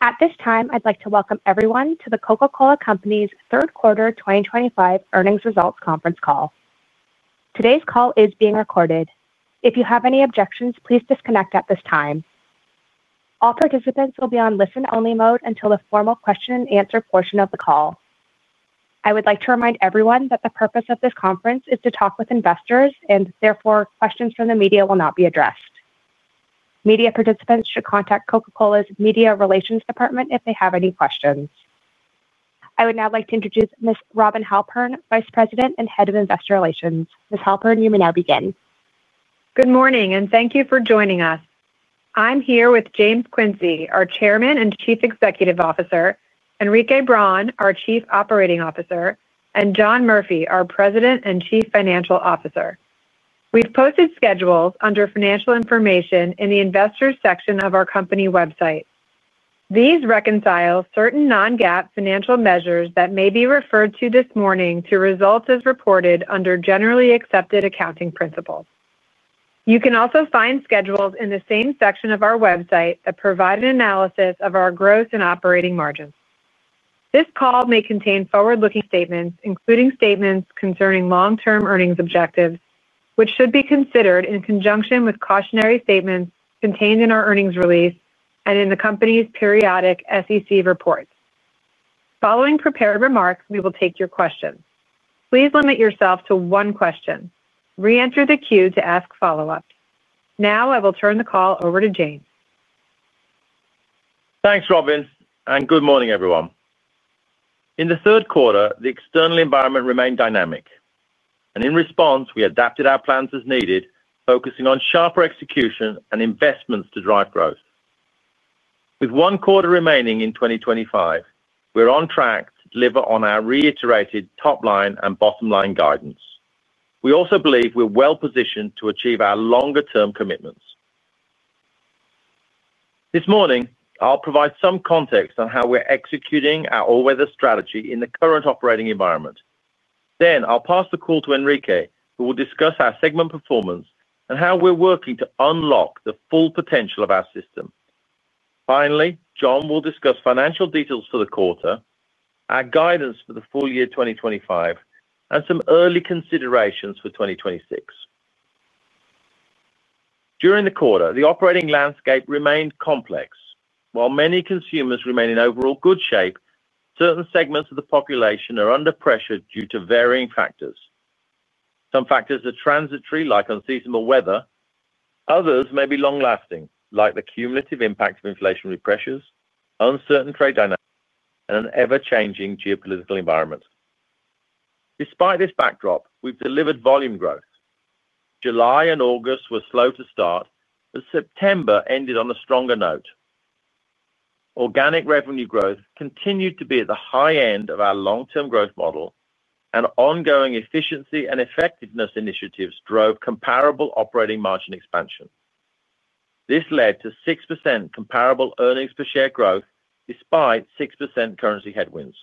At this time, I'd like to welcome everyone to The Coca-Cola Company's third quarter 2025 earnings results conference call. Today's call is being recorded. If you have any objections, please disconnect at this time. All participants will be on listen-only mode until the formal question-and-answer portion of the call. I would like to remind everyone that the purpose of this conference is to talk with investors, and therefore, questions from the media will not be addressed. Media participants should contact The Coca-Cola Company's Media Relations Department if they have any questions. I would now like to introduce Ms. Robin Halpern, Vice President and Head of Investor Relations. Ms. Halpern, you may now begin. Good morning, and thank you for joining us. I'm here with James Quincey, our Chairman and Chief Executive Officer, Henrique Braun, our Chief Operating Officer, and John Murphy, our President and Chief Financial Officer. We've posted schedules under Financial Information in the Investors section of our company website. These reconcile certain non-GAAP financial measures that may be referred to this morning to results as reported under Generally Accepted Accounting Principles. You can also find schedules in the same section of our website that provide an analysis of our gross and operating margins. This call may contain forward-looking statements, including statements concerning long-term earnings objectives, which should be considered in conjunction with cautionary statements contained in our earnings release and in the company's periodic SEC reports. Following prepared remarks, we will take your questions. Please limit yourself to one question. Re-enter the queue to ask follow-up. Now, I will turn the call over to James. Thanks, Robin, and good morning, everyone. In the third quarter, the external environment remained dynamic, and in response, we adapted our plans as needed, focusing on sharper execution and investments to drive growth. With one quarter remaining in 2025, we're on track to deliver on our reiterated top-line and bottom-line guidance. We also believe we're well-positioned to achieve our longer-term commitments. This morning, I'll provide some context on how we're executing our all-weather strategy in the current operating environment. I'll pass the call to Henrique, who will discuss our segment performance and how we're working to unlock the full potential of our system. Finally, John will discuss financial details for the quarter, our guidance for the full year 2025, and some early considerations for 2026. During the quarter, the operating landscape remained complex. While many consumers remain in overall good shape, certain segments of the population are under pressure due to varying factors. Some factors are transitory, like unseasonable weather. Others may be long-lasting, like the cumulative impact of inflationary pressures, uncertain trade dynamics, and an ever-changing geopolitical environment. Despite this backdrop, we've delivered volume growth. July and August were slow to start, but September ended on a stronger note. Organic revenue growth continued to be at the high end of our long-term growth model, and ongoing efficiency and effectiveness initiatives drove comparable operating margin expansion. This led to 6% comparable earnings per share growth, despite 6% currency headwinds.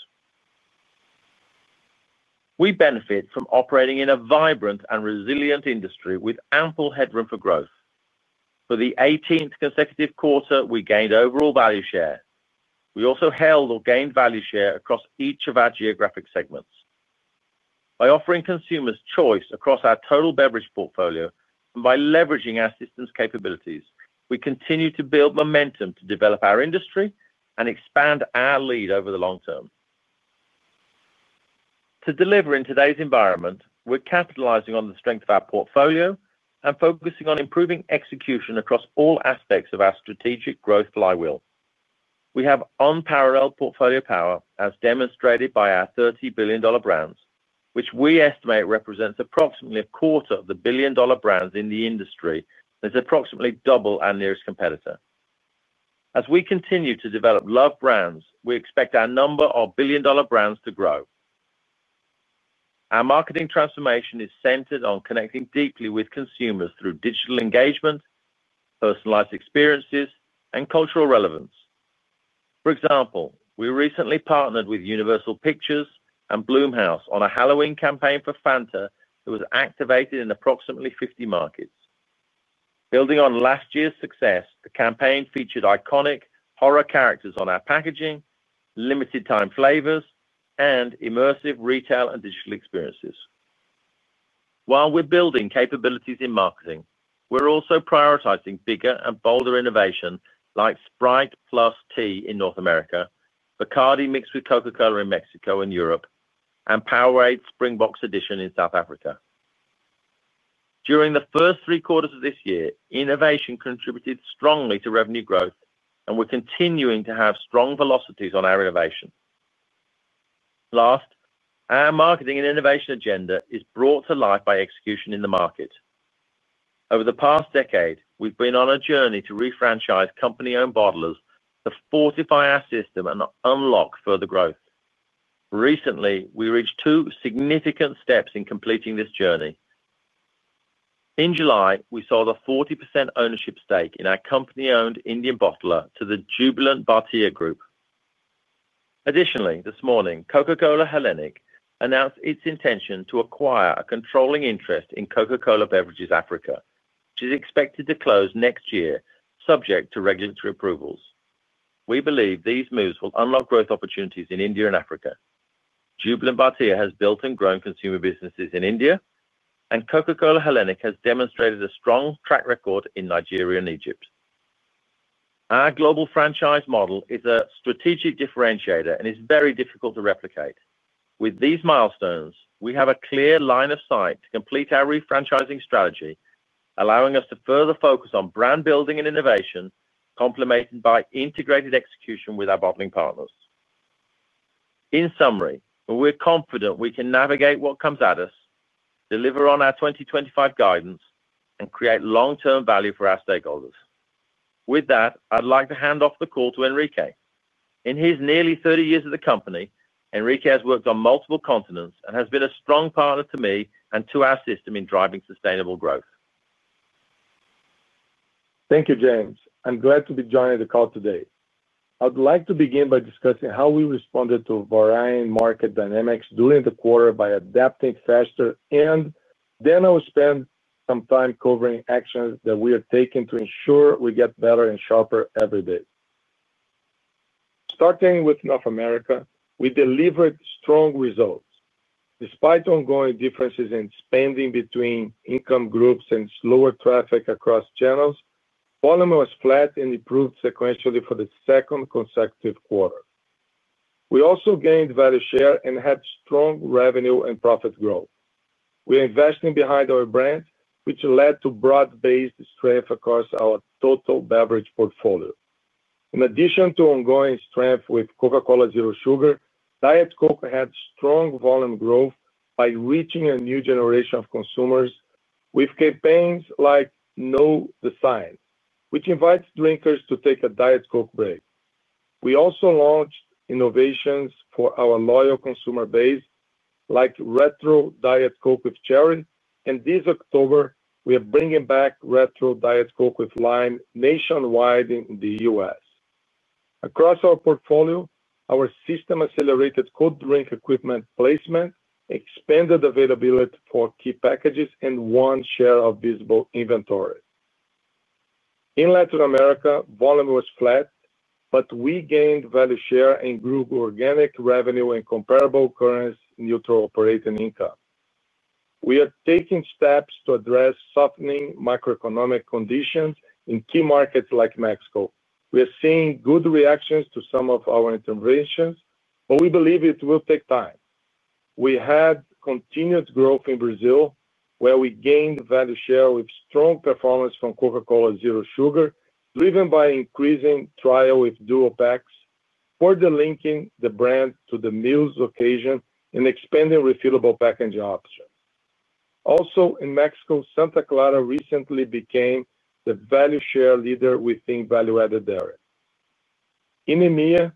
We benefit from operating in a vibrant and resilient industry with ample headroom for growth. For the 18th consecutive quarter, we gained overall value share. We also held or gained value share across each of our geographic segments. By offering consumers choice across our total beverage portfolio and by leveraging our system's capabilities, we continue to build momentum to develop our industry and expand our lead over the long term. To deliver in today's environment, we're capitalizing on the strength of our portfolio and focusing on improving execution across all aspects of our strategic growth flywheel. We have unparalleled portfolio power, as demonstrated by our $30 billion brands, which we estimate represents approximately 1/4 of the billion-dollar brands in the industry, and is approximately double our nearest competitor. As we continue to develop love brands, we expect our number of billion-dollar brands to grow. Our marketing transformation is centered on connecting deeply with consumers through digital engagement, personalized experiences, and cultural relevance. For example, we recently partnered with Universal Pictures and Blumhouse on a Halloween campaign for Fanta that was activated in approximately 50 markets. Building on last year's success, the campaign featured iconic horror characters on our packaging, limited-time flavors, and immersive retail and digital experiences. While we're building capabilities in marketing, we're also prioritizing bigger and bolder innovation, like Sprite + Tea in North America, Bacardi mixed with Coca-Cola in Mexico and Europe, and Powerade Springboks Edition in South Africa. During the first three quarters of this year, innovation contributed strongly to revenue growth, and we're continuing to have strong velocities on our innovation. Last, our marketing and innovation agenda is brought to life by execution in the market. Over the past decade, we've been on a journey to refranchise company-owned bottlers to fortify our system and unlock further growth. Recently, we reached two significant steps in completing this journey. In July, we sold a 40% ownership stake in our company-owned Indian bottler to the Jubilant Bhartia Group. Additionally, this morning, Coca-Cola HBC AG announced its intention to acquire a controlling interest in Coca-Cola Beverages Africa, which is expected to close next year, subject to regulatory approvals. We believe these moves will unlock growth opportunities in India and Africa. Jubilant Bhartia has built and grown consumer businesses in India, and Coca-Cola Hellenic has demonstrated a strong track record in Nigeria and Egypt. Our global franchise model is a strategic differentiator and is very difficult to replicate. With these milestones, we have a clear line of sight to complete our refranchising strategy, allowing us to further focus on brand building and innovation, complemented by integrated execution with our bottling partners. In summary, we're confident we can navigate what comes at us, deliver on our 2025 guidance, and create long-term value for our stakeholders. With that, I'd like to hand off the call to Henrique. In his nearly 30 years at the company, Henrique has worked on multiple continents and has been a strong partner to me and to our system in driving sustainable growth. Thank you, James. I'm glad to be joining the call today. I'd like to begin by discussing how we responded to varying market dynamics during the quarter by adapting faster, and then I will spend some time covering actions that we are taking to ensure we get better and sharper every day. Starting with North America, we delivered strong results. Despite ongoing differences in spending between income groups and slower traffic across channels, volume was flat and improved sequentially for the second consecutive quarter. We also gained value share and had strong revenue and profit growth. We are investing behind our brand, which led to broad-based strength across our total beverage portfolio. In addition to ongoing strength with Coca-Cola Zero Sugar, Diet Coke had strong volume growth by reaching a new generation of consumers with campaigns like Know the Sign, which invites drinkers to take a Diet Coke break. We also launched innovations for our loyal consumer base, like Retro Diet Coke with Cherry, and this October, we are bringing back Retro Diet Coke with Lime nationwide in the U.S. Across our portfolio, our system accelerated Coke drink equipment placement, expanded availability for key packages, and won share of visible inventories. In Latin America, volume was flat, but we gained value share and grew organic revenue and comparable currency neutral operating income. We are taking steps to address softening macroeconomic conditions in key markets like Mexico. We are seeing good reactions to some of our interventions, but we believe it will take time. We had continued growth in Brazil, where we gained value share with strong performance from Coca-Cola Zero Sugar, driven by increasing trial with dual packs, further linking the brand to the meals occasion, and expanding refillable packaging options. Also, in Mexico, Santa Clara recently became the value share leader within value-added dairy. In EMEA,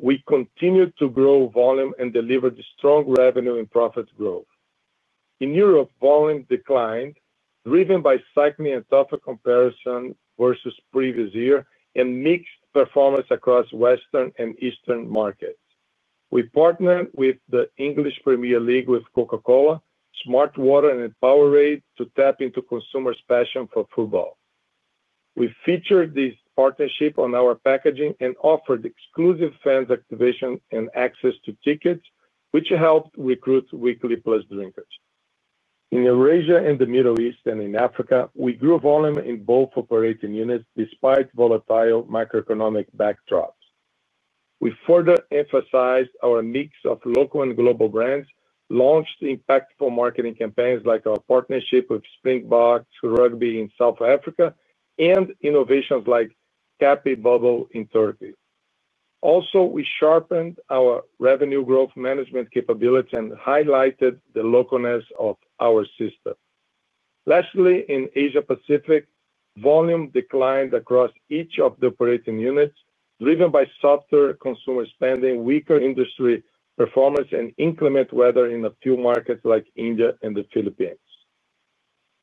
we continued to grow volume and delivered strong revenue and profit growth. In Europe, volume declined, driven by cycling and tougher comparison versus previous year and mixed performance across Western and Eastern markets. We partnered with the English Premier League with Coca-Cola, smartwater, and Powerade to tap into consumers' passion for football. We featured this partnership on our packaging and offered exclusive fans' activation and access to tickets, which helped recruit weekly plus drinkers. In Eurasia, the Middle East, and in Africa, we grew volume in both operating units despite volatile macroeconomic backdrops. We further emphasized our mix of local and global brands, launched impactful marketing campaigns like our partnership with Springboks Rugby in South Africa, and innovations like Cappy Bubble in Turkey. We sharpened our revenue growth management capabilities and highlighted the localness of our system. Lastly, in Asia-Pacific, volume declined across each of the operating units, driven by softer consumer spending, weaker industry performance, and inclement weather in a few markets like India and the Philippines.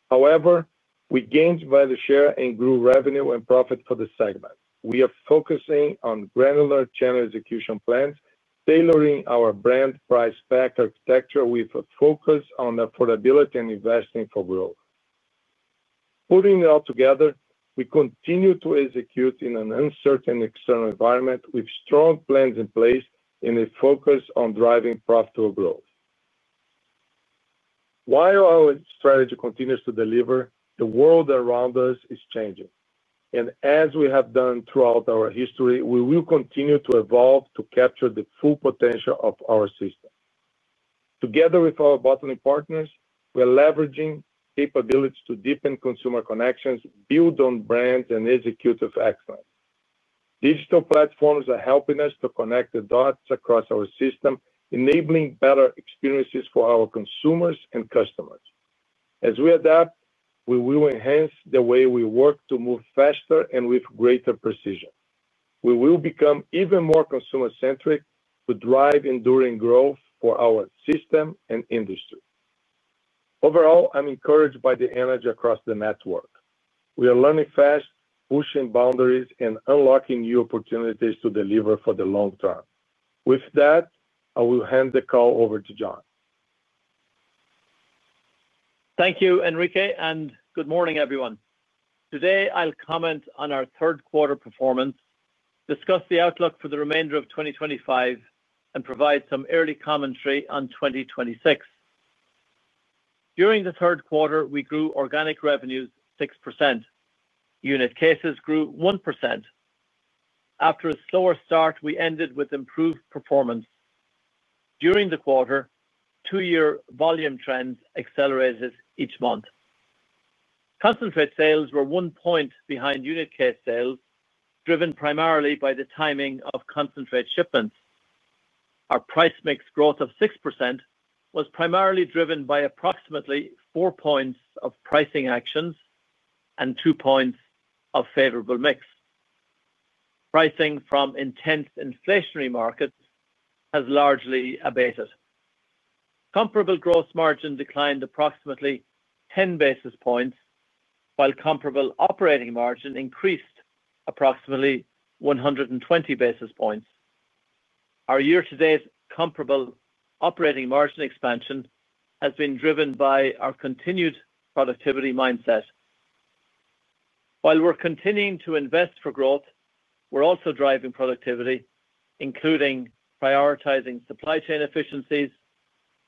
However, we gained value share and grew revenue and profit for the segment. We are focusing on granular channel execution plans, tailoring our brand price pack architecture with a focus on affordability and investing for growth. Putting it all together, we continue to execute in an uncertain external environment with strong plans in place and a focus on driving profitable growth. While our strategy continues to deliver, the world around us is changing. As we have done throughout our history, we will continue to evolve to capture the full potential of our system. Together with our bottling partners, we are leveraging capabilities to deepen consumer connections, build on brands, and execute with excellence. Digital platforms are helping us to connect the dots across our system, enabling better experiences for our consumers and customers. As we adapt, we will enhance the way we work to move faster and with greater precision. We will become even more consumer-centric to drive enduring growth for our system and industry. Overall, I'm encouraged by the energy across the network. We are learning fast, pushing boundaries, and unlocking new opportunities to deliver for the long term. With that, I will hand the call over to John. Thank you, Henrique, and good morning, everyone. Today, I'll comment on our third quarter performance, discuss the outlook for the remainder of 2025, and provide some early commentary on 2026. During the third quarter, we grew organic revenues 6%. Unit cases grew 1%. After a slower start, we ended with improved performance. During the quarter, two-year volume trends accelerated each month. Concentrate sales were one point behind unit case sales, driven primarily by the timing of concentrate shipments. Our price mix growth of 6% was primarily driven by approximately four points of pricing actions and two points of favorable mix. Pricing from intense inflationary markets has largely abated. Comparable gross margin declined approximately 10 basis points, while comparable operating margin increased approximately 120 basis points. Our year-to-date comparable operating margin expansion has been driven by our continued productivity mindset. While we're continuing to invest for growth, we're also driving productivity, including prioritizing supply chain efficiencies,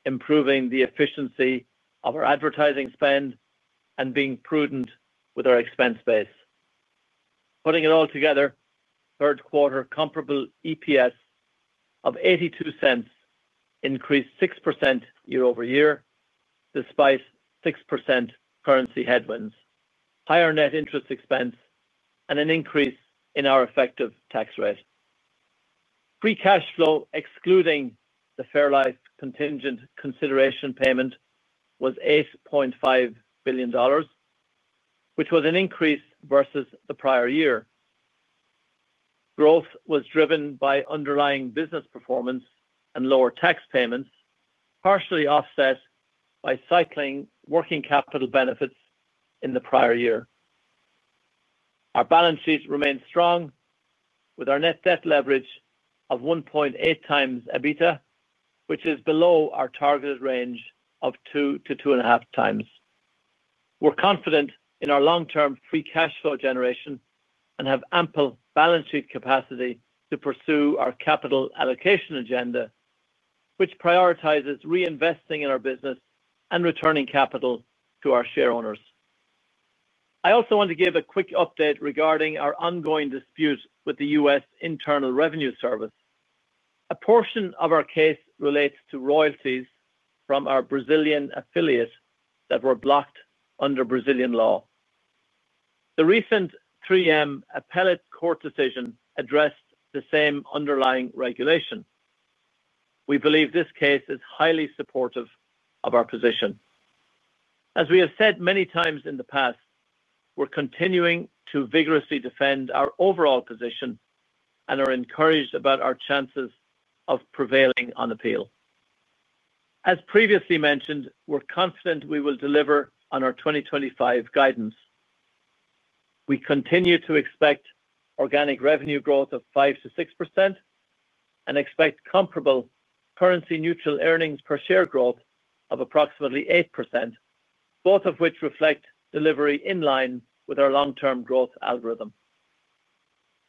improving the efficiency of our advertising spend, and being prudent with our expense base. Putting it all together, third quarter comparable EPS of $0.82 increased 6% year-over-year, despite 6% currency headwinds, higher net interest expense, and an increase in our effective tax rate. Free cash flow, excluding the fairlife contingent consideration payment, was $8.5 billion, which was an increase versus the prior year. Growth was driven by underlying business performance and lower tax payments, partially offset by cycling working capital benefits in the prior year. Our balance sheet remains strong, with our net debt leverage of 1.8x EBITDA, which is below our targeted range of 2x-2.5x. We're confident in our long-term free cash flow generation and have ample balance sheet capacity to pursue our capital allocation agenda, which prioritizes reinvesting in our business and returning capital to our shareholders. I also want to give a quick update regarding our ongoing dispute with the U.S. Internal Revenue Service. A portion of our case relates to royalties from our Brazilian affiliate that were blocked under Brazilian law. The recent 3M appellate court decision addressed the same underlying regulation. We believe this case is highly supportive of our position. As we have said many times in the past, we're continuing to vigorously defend our overall position and are encouraged about our chances of prevailing on appeal. As previously mentioned, we're confident we will deliver on our 2025 guidance. We continue to expect organic revenue growth of 5%-6% and expect comparable currency-neutral earnings per share growth of approximately 8%, both of which reflect delivery in line with our long-term growth algorithm.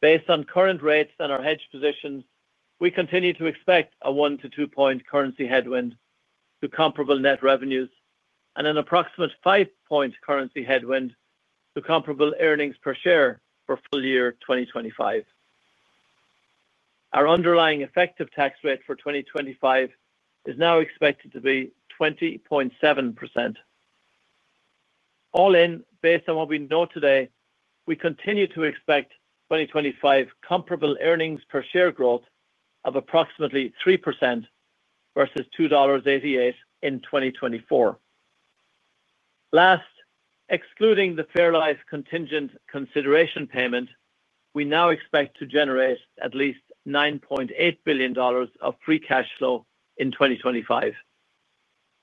Based on current rates and our hedge position, we continue to expect a 1%-2% currency headwind to comparable net revenues and an approximate 5% currency headwind to comparable earnings per share for full year 2025. Our underlying effective tax rate for 2025 is now expected to be 20.7%. All in, based on what we know today, we continue to expect 2025 comparable earnings per share growth of approximately 3% versus $2.88 in 2024. Last, excluding the fairlife contingent consideration payment, we now expect to generate at least $9.8 billion of free cash flow in 2025.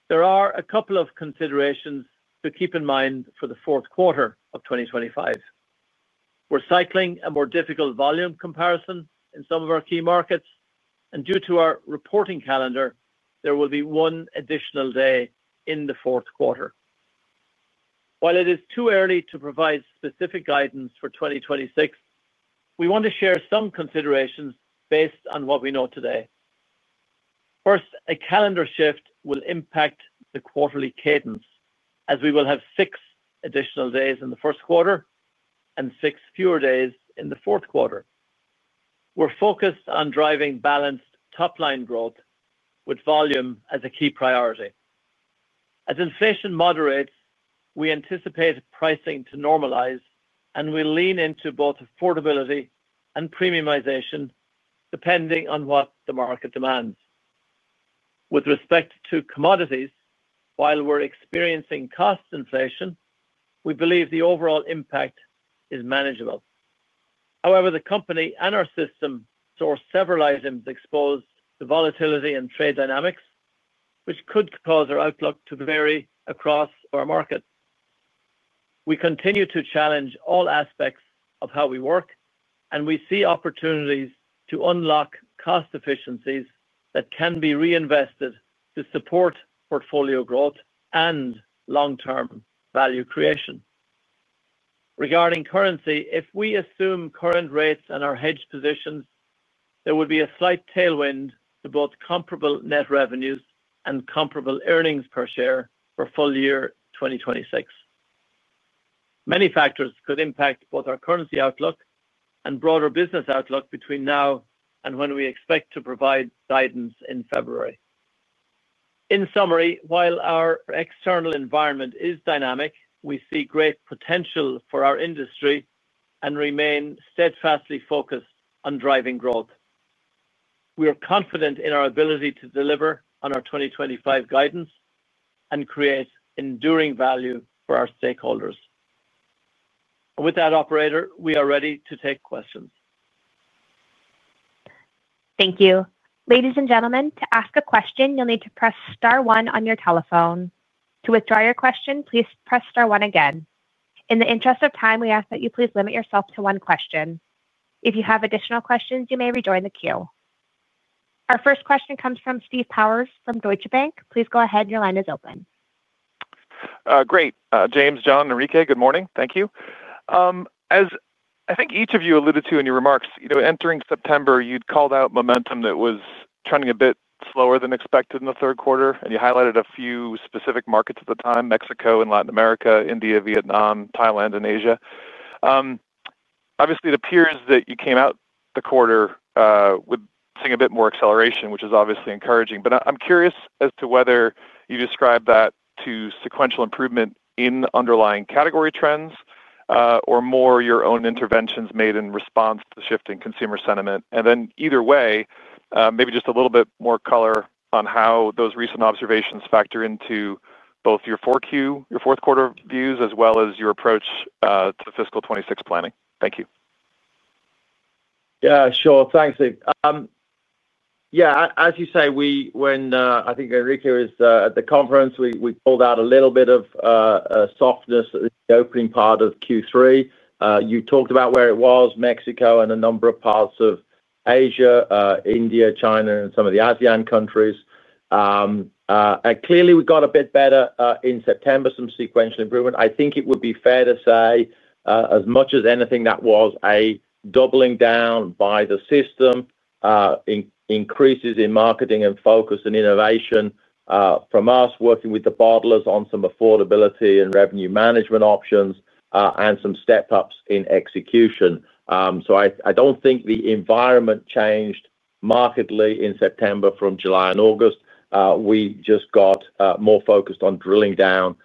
There are a couple of considerations to keep in mind for the fourth quarter of 2025. We're cycling a more difficult volume comparison in some of our key markets, and due to our reporting calendar, there will be one additional day in the fourth quarter. While it is too early to provide specific guidance for 2026, we want to share some considerations based on what we know today. First, a calendar shift will impact the quarterly cadence, as we will have six additional days in the first quarter and six fewer days in the fourth quarter. We're focused on driving balanced top-line growth with volume as a key priority. As inflation moderates, we anticipate pricing to normalize, and we'll lean into both affordability and premiumization, depending on what the market demands. With respect to commodities, while we're experiencing cost inflation, we believe the overall impact is manageable. However, the company and our system saw several items exposed to volatility and trade dynamics, which could cause our outlook to vary across our markets. We continue to challenge all aspects of how we work, and we see opportunities to unlock cost efficiencies that can be reinvested to support portfolio growth and long-term value creation. Regarding currency, if we assume current rates and our hedge positions, there would be a slight tailwind to both comparable net revenues and comparable earnings per share for full year 2026. Many factors could impact both our currency outlook and broader business outlook between now and when we expect to provide guidance in February. In summary, while our external environment is dynamic, we see great potential for our industry and remain steadfastly focused on driving growth. We are confident in our ability to deliver on our 2025 guidance and create enduring value for our stakeholders. With that, operator, we are ready to take questions. Thank you. Ladies and gentlemen, to ask a question, you'll need to press star one on your telephone. To withdraw your question, please press star one again. In the interest of time, we ask that you please limit yourself to one question. If you have additional questions, you may rejoin the queue. Our first question comes from Steve Powers from Deutsche Bank. Please go ahead. Your line is open. Great. James, John, and Henrique, good morning. Thank you. As I think each of you alluded to in your remarks, you know, entering September, you'd called out momentum that was trending a bit slower than expected in the third quarter, and you highlighted a few specific markets at the time: Mexico and Latin America, India, Vietnam, Thailand, and Asia. Obviously, it appears that you came out the quarter with seeing a bit more acceleration, which is obviously encouraging, but I'm curious as to whether you describe that to sequential improvement in underlying category trends or more your own interventions made in response to shifting consumer sentiment. Either way, maybe just a little bit more color on how those recent observations factor into both your fourth quarter views as well as your approach to fiscal 2026 planning. Thank you. Yeah, sure. Thanks, Steve. As you say, when I think Henrique was at the conference, we pulled out a little bit of softness in the opening part of Q3. You talked about where it was: Mexico and a number of parts of Asia, India, China, and some of the ASEAN countries. Clearly, we got a bit better in September, some sequential improvement. I think it would be fair to say, as much as anything, that was a doubling down by the system, increases in marketing and focus and innovation from us working with the bottlers on some affordability and revenue management options and some step-ups in execution. I don't think the environment changed markedly in September from July and August. We just got more focused on drilling down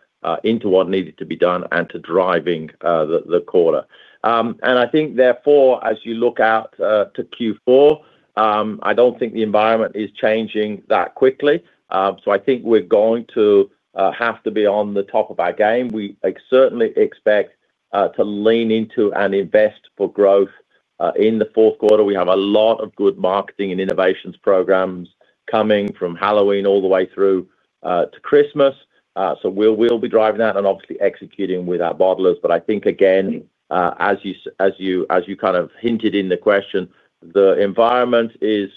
into what needed to be done and to driving the quarter. I think, therefore, as you look out to Q4, I don't think the environment is changing that quickly. I think we're going to have to be on the top of our game. We certainly expect to lean into and invest for growth in the fourth quarter. We have a lot of good marketing and innovations programs coming from Halloween all the way through to Christmas. We will be driving that and obviously executing with our bottlers. I think, again, as you kind of hinted in the question, the environment is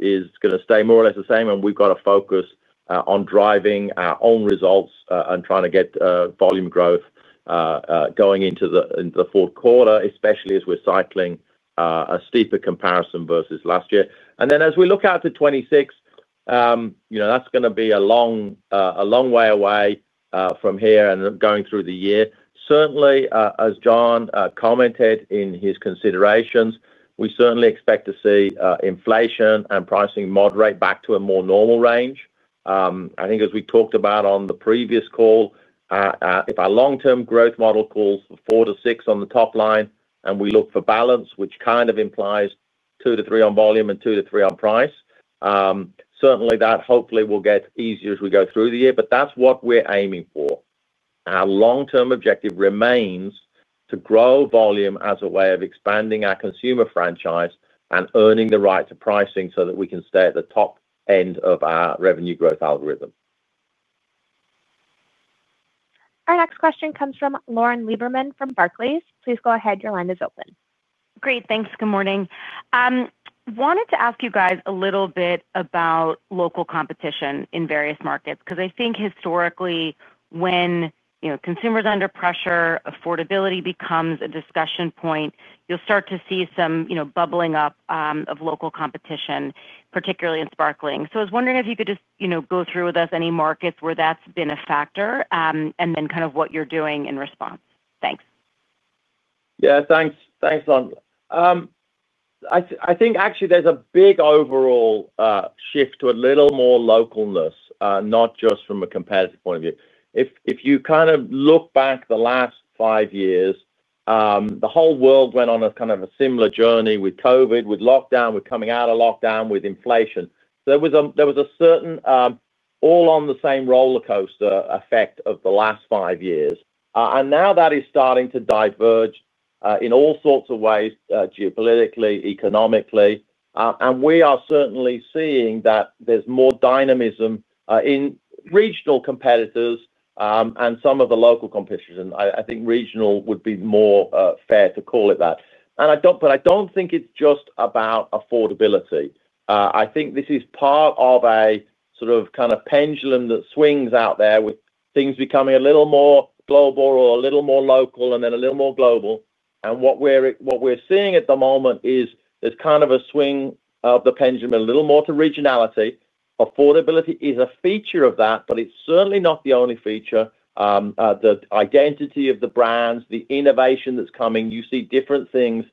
going to stay more or less the same, and we've got to focus on driving our own results and trying to get volume growth going into the fourth quarter, especially as we're cycling a steeper comparison versus last year. As we look out to 2026, you know, that's going to be a long way away from here and going through the year. Certainly, as John commented in his considerations, we certainly expect to see inflation and pricing moderate back to a more normal range. I think, as we talked about on the previous call, if our long-term growth model calls for 4%-6% on the top line and we look for balance, which kind of implies 2%-3% on volume and 2%-3% on price, certainly that hopefully will get easier as we go through the year. That's what we're aiming for. Our long-term objective remains to grow volume as a way of expanding our consumer franchise and earning the right to pricing so that we can stay at the top end of our revenue growth algorithm. Our next question comes from Lauren Lieberman from Barclays. Please go ahead. Your line is open. Great, thanks. Good morning. I wanted to ask you guys a little bit about local competition in various markets because I think historically, when consumers are under pressure, affordability becomes a discussion point. You start to see some bubbling up of local competition, particularly in sparkling. I was wondering if you could just go through with us any markets where that's been a factor and then what you're doing in response. Thanks. Yeah, thanks. Thanks, Lauren. I think actually there's a big overall shift to a little more localness, not just from a competitive point of view. If you kind of look back the last five years, the whole world went on a kind of a similar journey with COVID, with lockdown, with coming out of lockdown, with inflation. There was a certain all-on-the-same roller coaster effect of the last five years. Now that is starting to diverge in all sorts of ways, geopolitically, economically. We are certainly seeing that there's more dynamism in regional competitors and some of the local competition. I think regional would be more fair to call it that. I don't think it's just about affordability. I think this is part of a sort of kind of pendulum that swings out there with things becoming a little more global or a little more local and then a little more global. What we're seeing at the moment is there's kind of a swing of the pendulum a little more to regionality. Affordability is a feature of that, but it's certainly not the only feature. The identity of the brands, the innovation that's coming, you see different things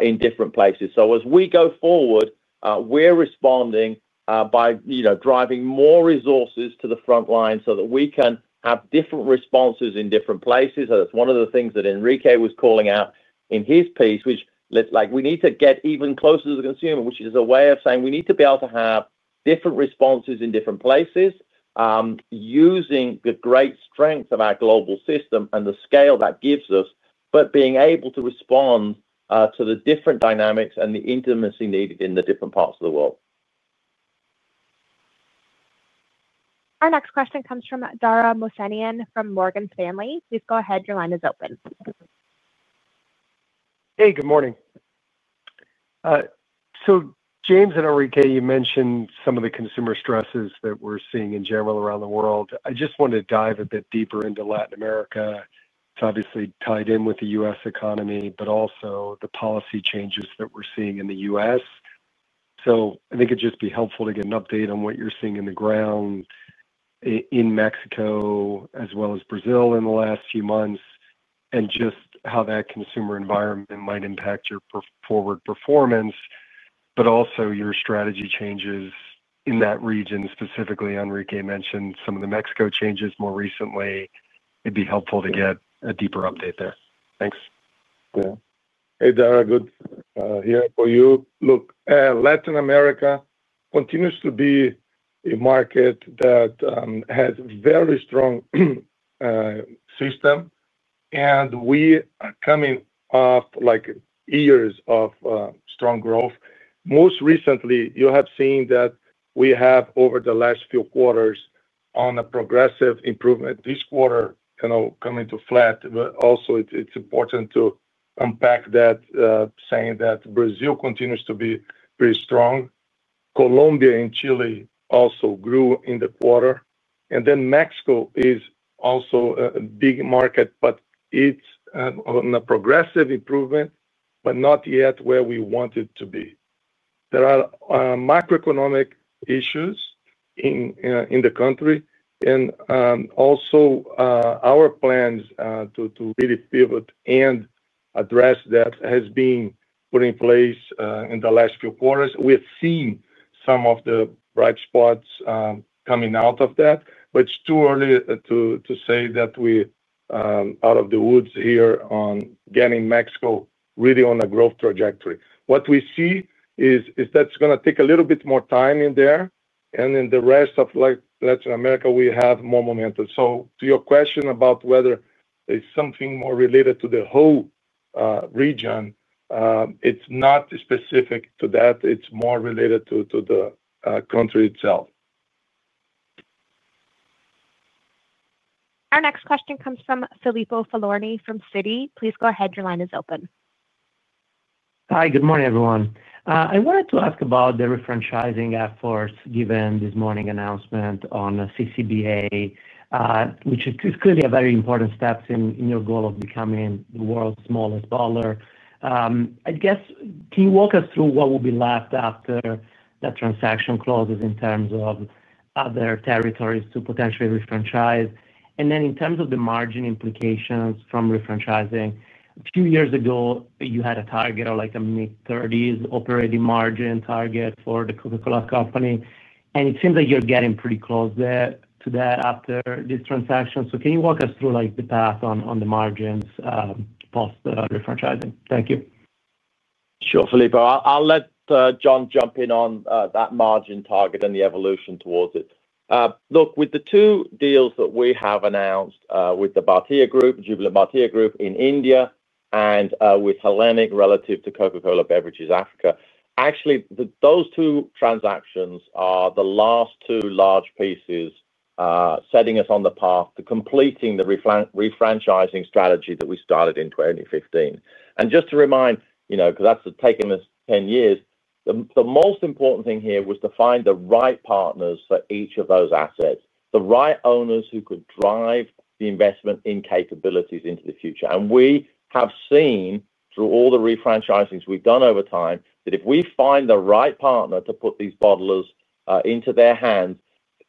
in different places. As we go forward, we're responding by driving more resources to the front line so that we can have different responses in different places. That's one of the things that Henrique was calling out in his piece, which looks like we need to get even closer to the consumer, which is a way of saying we need to be able to have different responses in different places using the great strength of our global system and the scale that gives us, but being able to respond to the different dynamics and the intimacy needed in the different parts of the world. Our next question comes from Dara Mohsenian from Morgan Stanley. Please go ahead. Your line is open. Hey, good morning. James and Henrique, you mentioned some of the consumer stresses that we're seeing in general around the world. I just want to dive a bit deeper into Latin America. It's obviously tied in with the U.S. economy, but also the policy changes that we're seeing in the U.S. I think it'd just be helpful to get an update on what you're seeing on the ground in Mexico as well as Brazil in the last few months and just how that consumer environment might impact your forward performance, but also your strategy changes in that region specifically. Henrique mentioned some of the Mexico changes more recently. It'd be helpful to get a deeper update there. Thanks. Yeah. Hey, Dara, good to hear from you. Look, Latin America continues to be a market that has a very strong system, and we are coming off years of strong growth. Most recently, you have seen that we have, over the last few quarters, seen a progressive improvement. This quarter, you know, coming to flat, but also it's important to unpack that, saying that Brazil continues to be very strong. Colombia and Chile also grew in the quarter. Mexico is also a big market, but it's on a progressive improvement, but not yet where we want it to be. There are macroeconomic issues in the country, and also our plans to really pivot and address that have been put in place in the last few quarters. We have seen some of the bright spots coming out of that, but it's too early to say that we are out of the woods here on getting Mexico really on a growth trajectory. What we see is that it's going to take a little bit more time in there, and in the rest of Latin America, we have more momentum. To your question about whether there's something more related to the whole region, it's not specific to that. It's more related to the country itself. Our next question comes from Filippo Falorni from Citi. Please go ahead. Your line is open. Hi, good morning, everyone. I wanted to ask about the refranchising efforts given this morning's announcement on CCBA, which is clearly a very important step in your goal of becoming the world's smallest bottler. Can you walk us through what will be left after that transaction closes in terms of other territories to potentially refranchise? In terms of the margin implications from refranchising, a few years ago, you had a target of like a mid-30s operating margin target for The Coca-Cola Company, and it seems like you're getting pretty close to that after this transaction. Can you walk us through the path on the margins post the refranchising? Thank you. Sure, Filippo. I'll let John jump in on that margin target and the evolution towards it. Look, with the two deals that we have announced with the Bhartia Group in India, and with Hellenic relative to Coca-Cola Beverages Africa, actually, those two transactions are the last two large pieces setting us on the path to completing the refranchising strategy that we started in 2015. Just to remind, you know, because that's taken us 10 years, the most important thing here was to find the right partners for each of those assets, the right owners who could drive the investment in capabilities into the future. We have seen, through all the refranchisings we've done over time, that if we find the right partner to put these bottlers into their hands,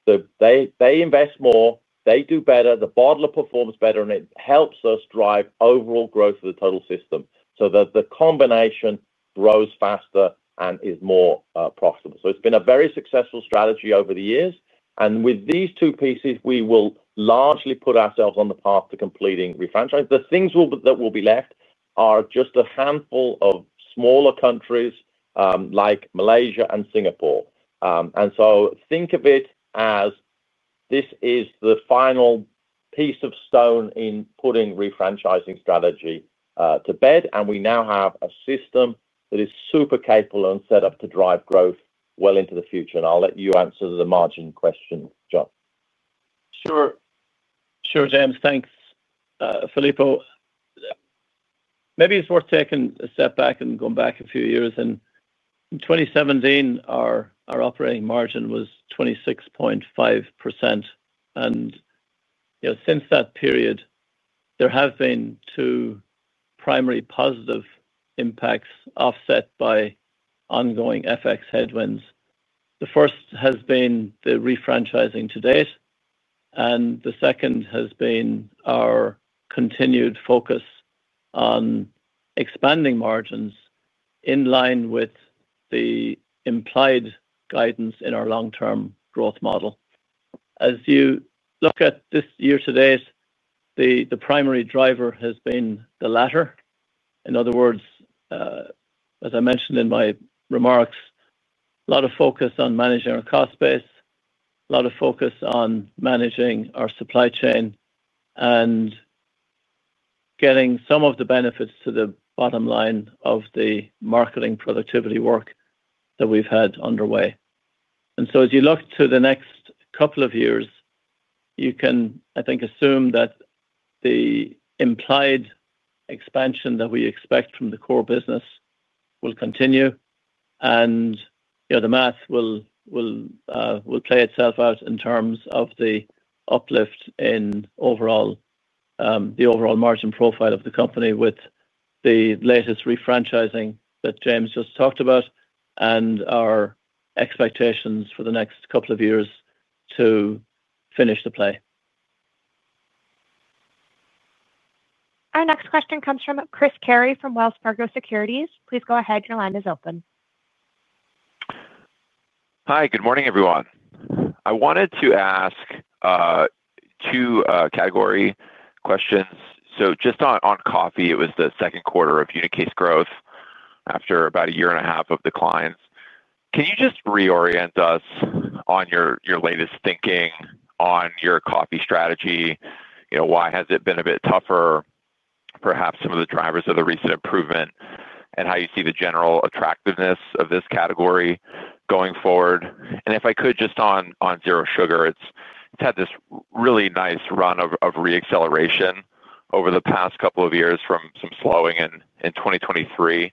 they invest more, they do better, the bottler performs better, and it helps us drive overall growth for the total system so that the combination grows faster and is more profitable. It's been a very successful strategy over the years. With these two pieces, we will largely put ourselves on the path to completing refranchising. The things that will be left are just a handful of smaller countries like Malaysia and Singapore. Think of it as this is the final piece of stone in putting the refranchising strategy to bed, and we now have a system that is super capable and set up to drive growth well into the future. I'll let you answer the margin question, John. Sure. Sure, James. Thanks, Filippo. Maybe it's worth taking a step back and going back a few years. In 2017, our operating margin was 26.5%. Since that period, there have been two primary positive impacts offset by ongoing FX headwinds. The first has been the refranchising to date, and the second has been our continued focus on expanding margins in line with the implied guidance in our long-term growth model. As you look at this year to date, the primary driver has been the latter. In other words, as I mentioned in my remarks, a lot of focus on managing our cost base, a lot of focus on managing our supply chain, and getting some of the benefits to the bottom line of the marketing productivity work that we've had underway. As you look to the next couple of years, you can, I think, assume that the implied expansion that we expect from the core business will continue, and the math will play itself out in terms of the uplift in the overall margin profile of the company with the latest refranchising that James just talked about and our expectations for the next couple of years to finish the play. Our next question comes from Chris Carey from Wells Fargo Securities. Please go ahead. Your line is open. Hi, good morning, everyone. I wanted to ask two category questions. Just on coffee, it was the second quarter of unit case growth after about a year and a half of declines. Can you just reorient us on your latest thinking on your coffee strategy? Why has it been a bit tougher? Perhaps some of the drivers of the recent improvement and how you see the general attractiveness of this category going forward. If I could, just on Zero Sugar, it's had this really nice run of reacceleration over the past couple of years from some slowing in 2023.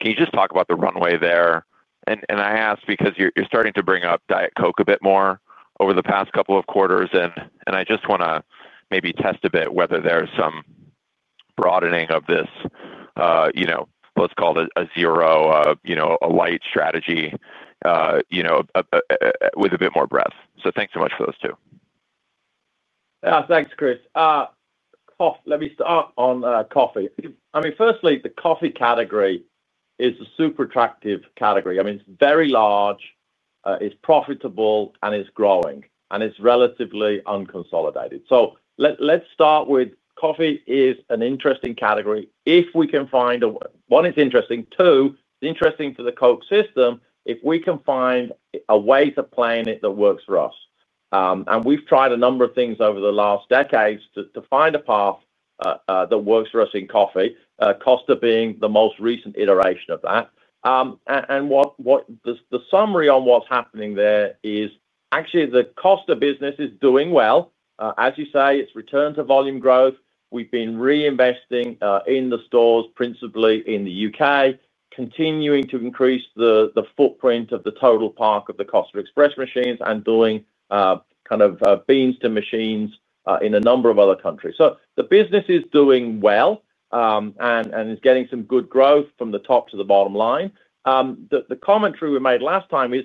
Can you just talk about the runway there? I ask because you're starting to bring up Diet Coke a bit more over the past couple of quarters, and I just want to maybe test a bit whether there's some broadening of this, let's call it a zero, a light strategy, with a bit more breadth. Thanks so much for those two. Yeah, thanks, Chris. Let me start on coffee. Firstly, the coffee category is a super attractive category. It's very large, it's profitable, and it's growing, and it's relatively unconsolidated. Let's start with coffee is an interesting category. If we can find a... one, it's interesting. Two, it's interesting for the Coke system if we can find a way to plan it that works for us. We've tried a number of things over the last decades to find a path that works for us in coffee, Costa being the most recent iteration of that. The summary on what's happening there is actually the Costa business is doing well. As you say, it's returned to volume growth. We've been reinvesting in the stores, principally in the U.K., continuing to increase the footprint of the total park of the Costa Express machines and doing kind of beans to machines in a number of other countries. The business is doing well and is getting some good growth from the top to the bottom line. The commentary we made last time is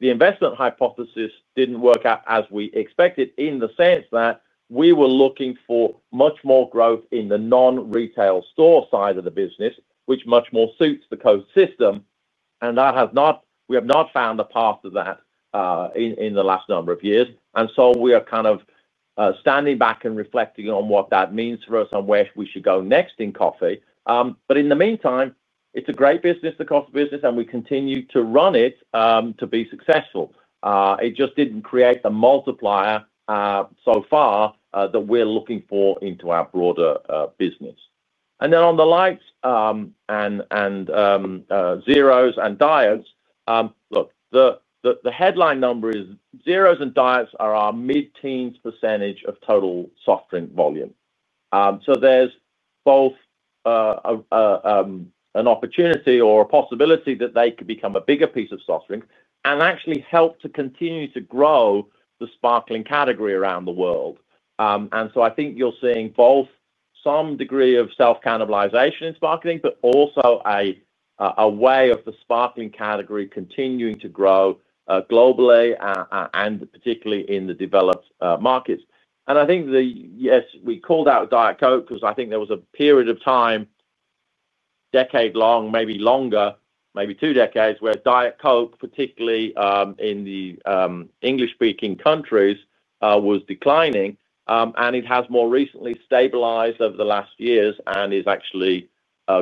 the investment hypothesis didn't work out as we expected in the sense that we were looking for much more growth in the non-retail store side of the business, which much more suits the Coke system. We have not found a path to that in the last number of years. We are kind of standing back and reflecting on what that means for us and where we should go next in coffee. In the meantime, it's a great business, the Coke business, and we continue to run it to be successful. It just didn't create the multiplier so far that we're looking for into our broader business. On the likes and zeros and diets, look, the headline number is zeros and diets are our mid-teens % of total soft drink volume. There's both an opportunity or a possibility that they could become a bigger piece of soft drink and actually help to continue to grow the sparkling category around the world. I think you're seeing both some degree of self-cannibalization in sparkling, but also a way of the sparkling category continuing to grow globally and particularly in the developed markets. Yes, we called out Diet Coke because I think there was a period of time, decade long, maybe longer, maybe two decades, where Diet Coke, particularly in the English-speaking countries, was declining. It has more recently stabilized over the last years and is actually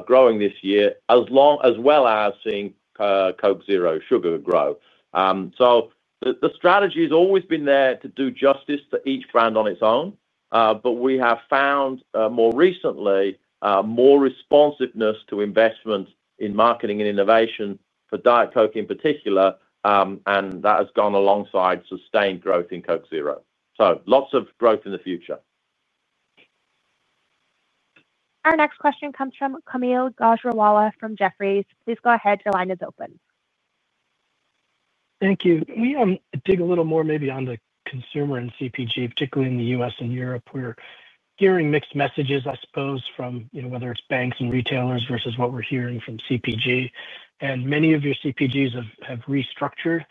growing this year, as well as seeing Coke Zero Sugar grow. The strategy has always been there to do justice to each brand on its own, but we have found more recently more responsiveness to investments in marketing and innovation for Diet Coke in particular, and that has gone alongside sustained growth in Coke Zero Sugar. Lots of growth in the future. Our next question comes from Kaumil Gajrawala from Jefferies. Please go ahead. Your line is open. Thank you. Can we dig a little more maybe on the consumer and CPG, particularly in the U.S. and Europe? We're hearing mixed messages, I suppose, from whether it's banks and retailers versus what we're hearing from CPG. Many of your CPGs have restructured.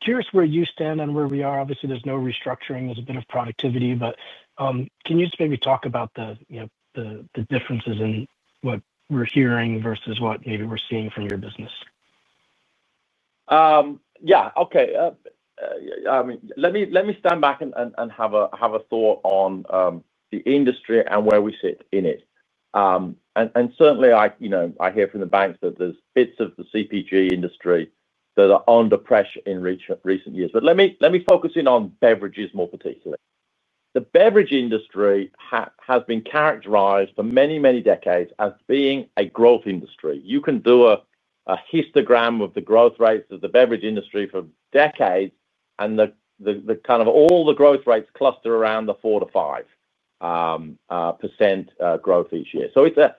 Curious where you stand and where we are. Obviously, there's no restructuring. There's a bit of productivity, but can you just maybe talk about the differences in what we're hearing versus what maybe we're seeing from your business? Yeah. Okay. Let me stand back and have a thought on the industry and where we sit in it. Certainly, I hear from the banks that there's bits of the CPG industry that are under pressure in recent years. Let me focus in on beverages more particularly. The beverage industry has been characterized for many, many decades as being a growth industry. You can do a histogram of the growth rates of the beverage industry for decades, and kind of all the growth rates cluster around the 4%-5% growth each year. There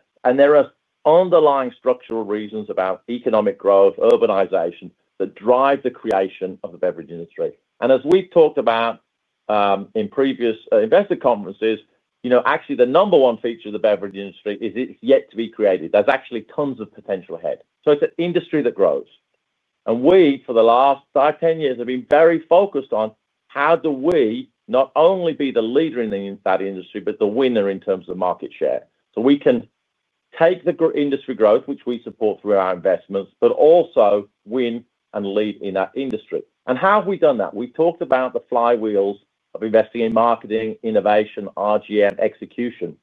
are underlying structural reasons about economic growth, urbanization that drive the creation of the beverage industry. As we've talked about in previous investor conferences, you know, actually, the number one feature of the beverage industry is it's yet to be created. There's actually tons of potential ahead. It's an industry that grows. We, for the last five, 10 years, have been very focused on how do we not only be the leader in that industry, but the winner in terms of market share. We can take the industry growth, which we support through our investments, but also win and lead in that industry. How have we done that? We've talked about the flywheels of investing in marketing, innovation, RGM, execution.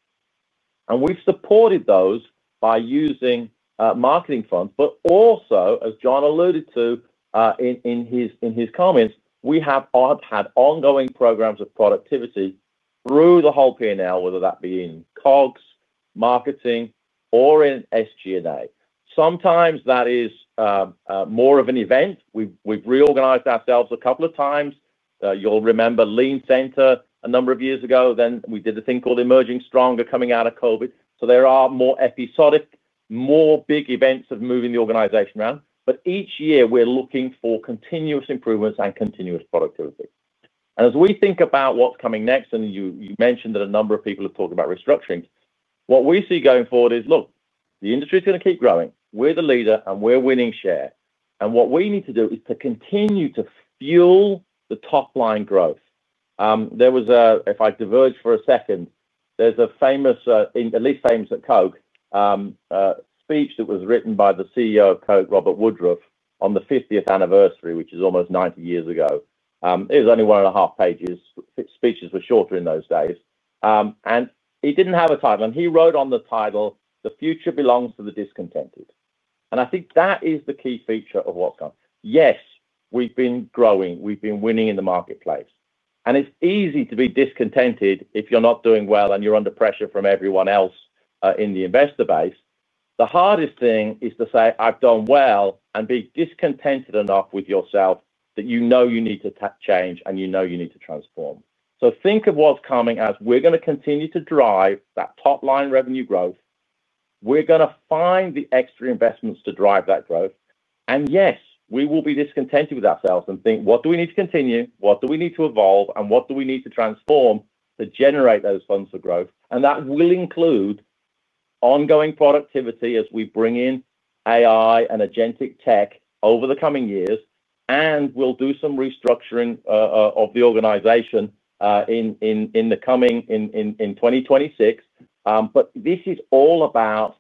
We've supported those by using marketing funds. Also, as John alluded to in his comments, we have had ongoing programs of productivity through the whole P&L, whether that be in COGS, marketing, or in SG&A. Sometimes that is more of an event. We've reorganized ourselves a couple of times. You'll remember Lean Center a number of years ago. Then we did a thing called Emerging Stronger coming out of COVID. There are more episodic, more big events of moving the organization around. Each year, we're looking for continuous improvements and continuous productivity. As we think about what's coming next, and you mentioned that a number of people are talking about restructuring, what we see going forward is, look, the industry is going to keep growing. We're the leader and we're winning share. What we need to do is to continue to fuel the top-line growth. If I diverge for a second, there's a famous, at least famous at Coke, speech that was written by the CEO of Coke, Robert Woodruff, on the 50th anniversary, which is almost 90 years ago. It was only one and a half pages. Speeches were shorter in those days. He didn't have a title, and he wrote on the title, "The Future Belongs to the Discontented." I think that is the key feature of what's coming. Yes, we've been growing. We've been winning in the marketplace. It's easy to be discontented if you're not doing well and you're under pressure from everyone else in the investor base. The hardest thing is to say, "I've done well," and be discontented enough with yourself that you know you need to change and you know you need to transform. Think of what's coming as we're going to continue to drive that top-line revenue growth. We're going to find the extra investments to drive that growth. Yes, we will be discontented with ourselves and think, "What do we need to continue? What do we need to evolve? What do we need to transform to generate those funds for growth?" That will include ongoing productivity as we bring in AI and agentic tech over the coming years. We'll do some restructuring of the organization in 2026. This is all about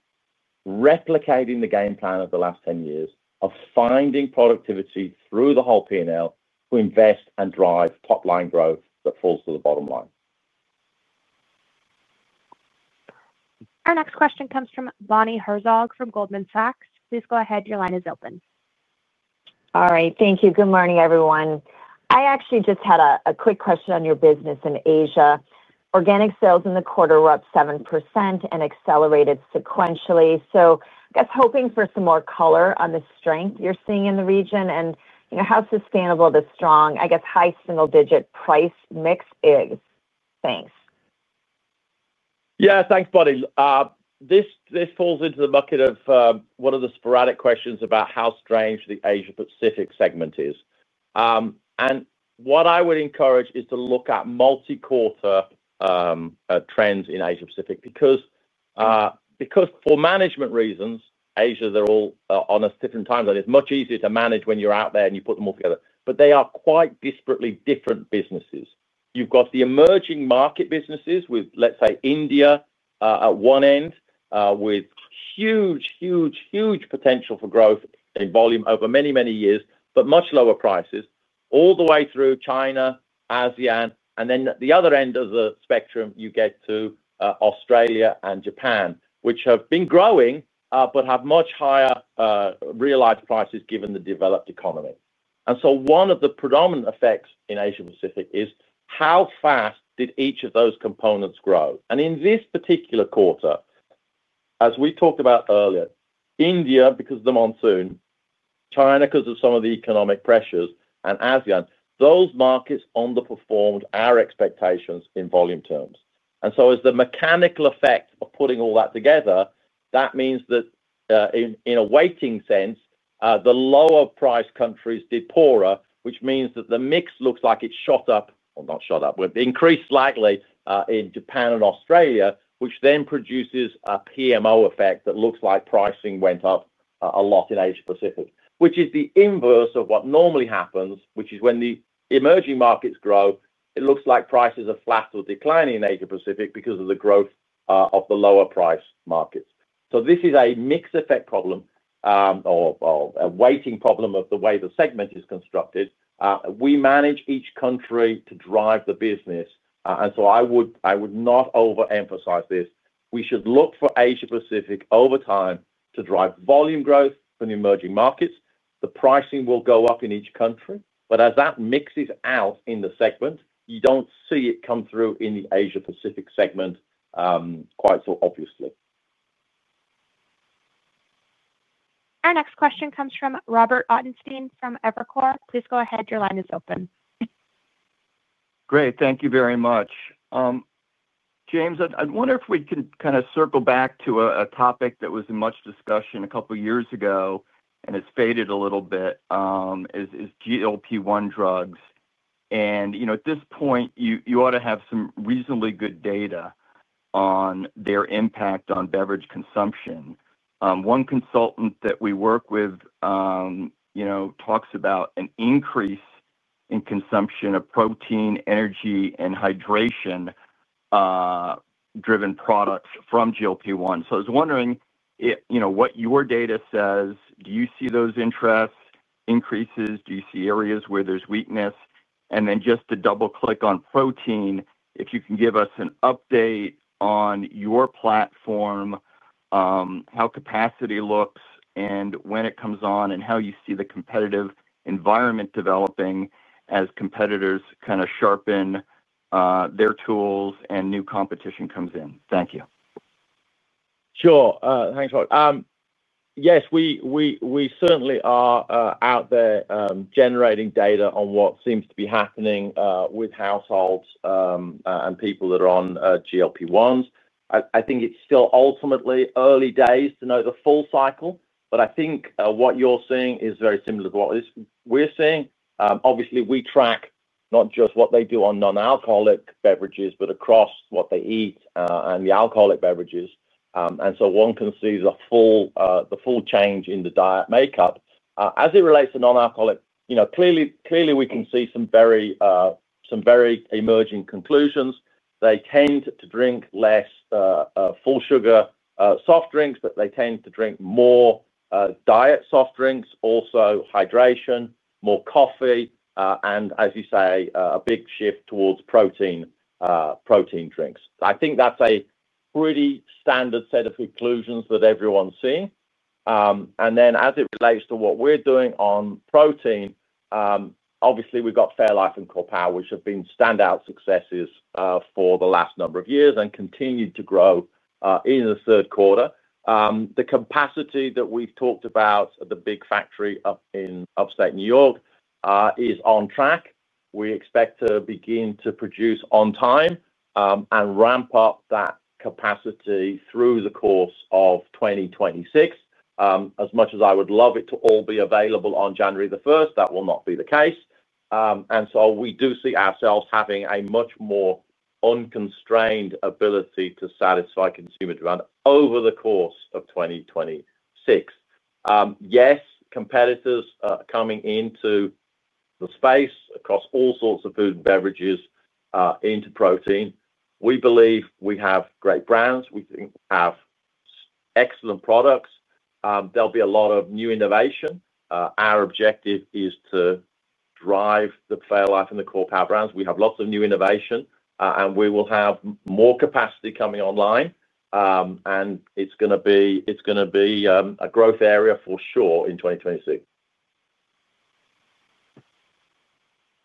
replicating the game plan of the last 10 years of finding productivity through the whole P&L to invest and drive top-line growth that falls to the bottom line. Our next question comes from Bonnie Herzog from Goldman Sachs. Please go ahead. Your line is open. All right. Thank you. Good morning, everyone. I actually just had a quick question on your business in Asia. Organic sales in the quarter were up 7% and accelerated sequentially. I guess hoping for some more color on the strength you're seeing in the region and how sustainable the strong, I guess, high single-digit price mix is. Thanks. Yeah, thanks, Bonnie. This falls into the bucket of one of the sporadic questions about how strange the Asia-Pacific segment is. What I would encourage is to look at multi-quarter trends in Asia-Pacific because for management reasons, Asia, they're all on a different time, and it's much easier to manage when you're out there and you put them all together. They are quite disparately different businesses. You've got the emerging market businesses with, let's say, India at one end with huge, huge, huge potential for growth in volume over many, many years, but much lower prices all the way through China, ASEAN, and then the other end of the spectrum, you get to Australia and Japan, which have been growing but have much higher real-life prices given the developed economy. One of the predominant effects in Asia-Pacific is how fast did each of those components grow? In this particular quarter, as we talked about earlier, India, because of the monsoon, China, because of some of the economic pressures, and ASEAN, those markets underperformed our expectations in volume terms. As the mechanical effect of putting all that together, that means that in a weighting sense, the lower-priced countries did poorer, which means that the mix looks like it shot up, or not shot up, increased slightly in Japan and Australia, which then produces a P/M effect that looks like pricing went up a lot in Asia-Pacific, which is the inverse of what normally happens, which is when the emerging markets grow, it looks like prices are flat or declining in Asia-Pacific because of the growth of the lower-priced markets. This is a mix-effect problem or a weighting problem of the way the segment is constructed. We manage each country to drive the business. I would not overemphasize this. We should look for Asia-Pacific over time to drive volume growth for the emerging markets. The pricing will go up in each country. As that mixes out in the segment, you don't see it come through in the Asia-Pacific segment quite so obviously. Our next question comes from Robert Ottenstein from Evercore. Please go ahead. Your line is open. Great. Thank you very much. James, I wonder if we can kind of circle back to a topic that was in much discussion a couple of years ago and has faded a little bit, is GLP-1 drugs. At this point, you ought to have some reasonably good data on their impact on beverage consumption. One consultant that we work with talks about an increase in consumption of protein, energy, and hydration-driven products from GLP-1. I was wondering what your data says, do you see those interest increases? Do you see areas where there's weakness? Just to double-click on protein, if you can give us an update on your platform, how capacity looks, when it comes on, and how you see the competitive environment developing as competitors kind of sharpen their tools and new competition comes in. Thank you. Sure. Thanks, Bob. Yes, we certainly are out there generating data on what seems to be happening with households and people that are on GLP-1s. I think it's still ultimately early days to know the full cycle, but I think what you're seeing is very similar to what we're seeing. Obviously, we track not just what they do on non-alcoholic beverages, but across what they eat and the alcoholic beverages. One can see the full change in the diet makeup. As it relates to non-alcoholic, you know, clearly, we can see some very emerging conclusions. They tend to drink less full sugar soft drinks, but they tend to drink more diet soft drinks, also hydration, more coffee, and as you say, a big shift towards protein drinks. I think that's a pretty standard set of conclusions that everyone's seeing. As it relates to what we're doing on protein, obviously, we've got fairlife and Santa Clara, which have been standout successes for the last number of years and continued to grow in the third quarter. The capacity that we've talked about at the big factory in upstate New York is on track. We expect to begin to produce on time and ramp up that capacity through the course of 2026. As much as I would love it to all be available on January 1, that will not be the case. We do see ourselves having a much more unconstrained ability to satisfy consumer demand over the course of 2026. Yes, competitors are coming into the space across all sorts of food and beverages into protein. We believe we have great brands. We think we have excellent products. There will be a lot of new innovation. Our objective is to drive the fairlife and the Santa Clara brands. We have lots of new innovation, and we will have more capacity coming online. It's going to be a growth area for sure in 2026.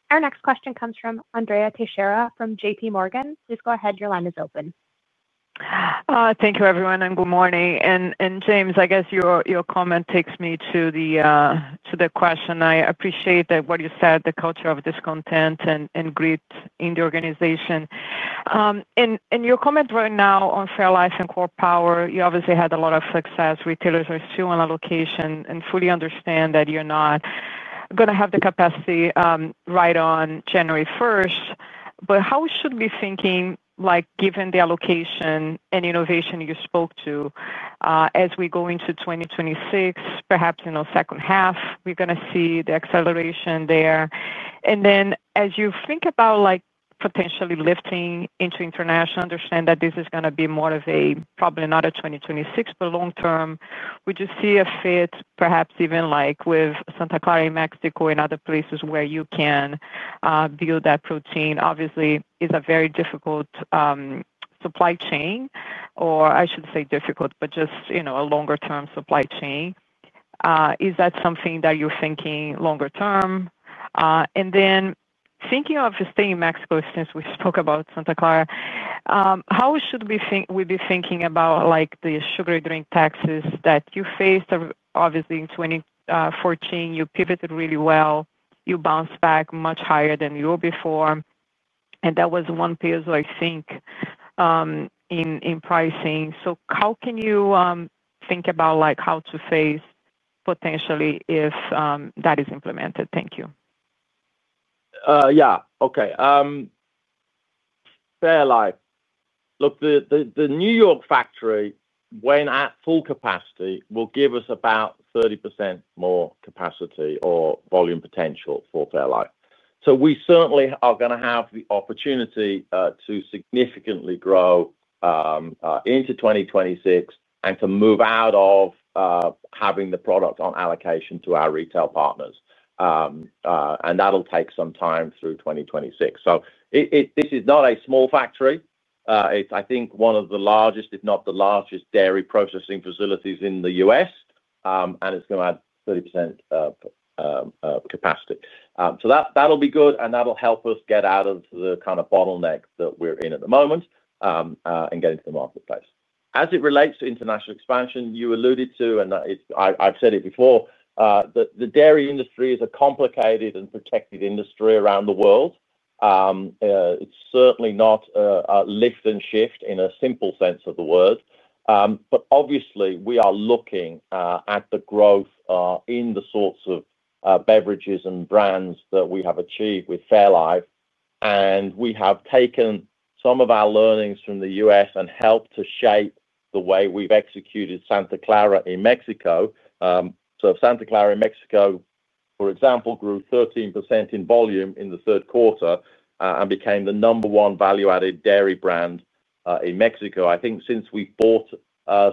Our next question comes from Andrea Teixeira from JPMorgan. Please go ahead. Your line is open. Thank you, everyone, and good morning. James, I guess your comment takes me to the question. I appreciate what you said, the culture of discontent and grit in the organization. Your comment right now on fairlife and Core Power, you obviously had a lot of success. Retailers are still on allocation and fully understand that you're not going to have the capacity right on January 1st. How should we be thinking, given the allocation and innovation you spoke to, as we go into 2026, perhaps in the second half, we're going to see the acceleration there? As you think about potentially lifting into international, I understand that this is going to be more of a probably not a 2026, but long term, would you see a fit perhaps even with Santa Clara in Mexico and other places where you can build that protein? Obviously, it's a very difficult supply chain, or I shouldn't say difficult, but just, you know, a longer-term supply chain. Is that something that you're thinking longer term? Thinking of staying in Mexico, since we spoke about Santa Clara, how should we be thinking about the sugary drink taxes that you faced? Obviously, in 2014, you pivoted really well. You bounced back much higher than you were before. That was one piece, I think, in pricing. How can you think about how to face potentially if that is implemented? Thank you. Yeah. Okay. Fairlife. Look, the New York factory, when at full capacity, will give us about 30% more capacity or volume potential for fairlife. We certainly are going to have the opportunity to significantly grow into 2026 and to move out of having the product on allocation to our retail partners. That'll take some time through 2026. This is not a small factory. It's, I think, one of the largest, if not the largest, dairy processing facilities in the U.S., and it's going to add 30% capacity. That'll be good, and that'll help us get out of the kind of bottleneck that we're in at the moment and get into the marketplace. As it relates to international expansion, you alluded to, and I've said it before, that the dairy industry is a complicated and protected industry around the world. It's certainly not a lift and shift in a simple sense of the word. Obviously, we are looking at the growth in the sorts of beverages and brands that we have achieved with Fairlife. We have taken some of our learnings from the U.S. and helped to shape the way we've executed Santa Clara in Mexico. Santa Clara in Mexico, for example, grew 13% in volume in the third quarter and became the number one value-added dairy brand in Mexico. I think since we bought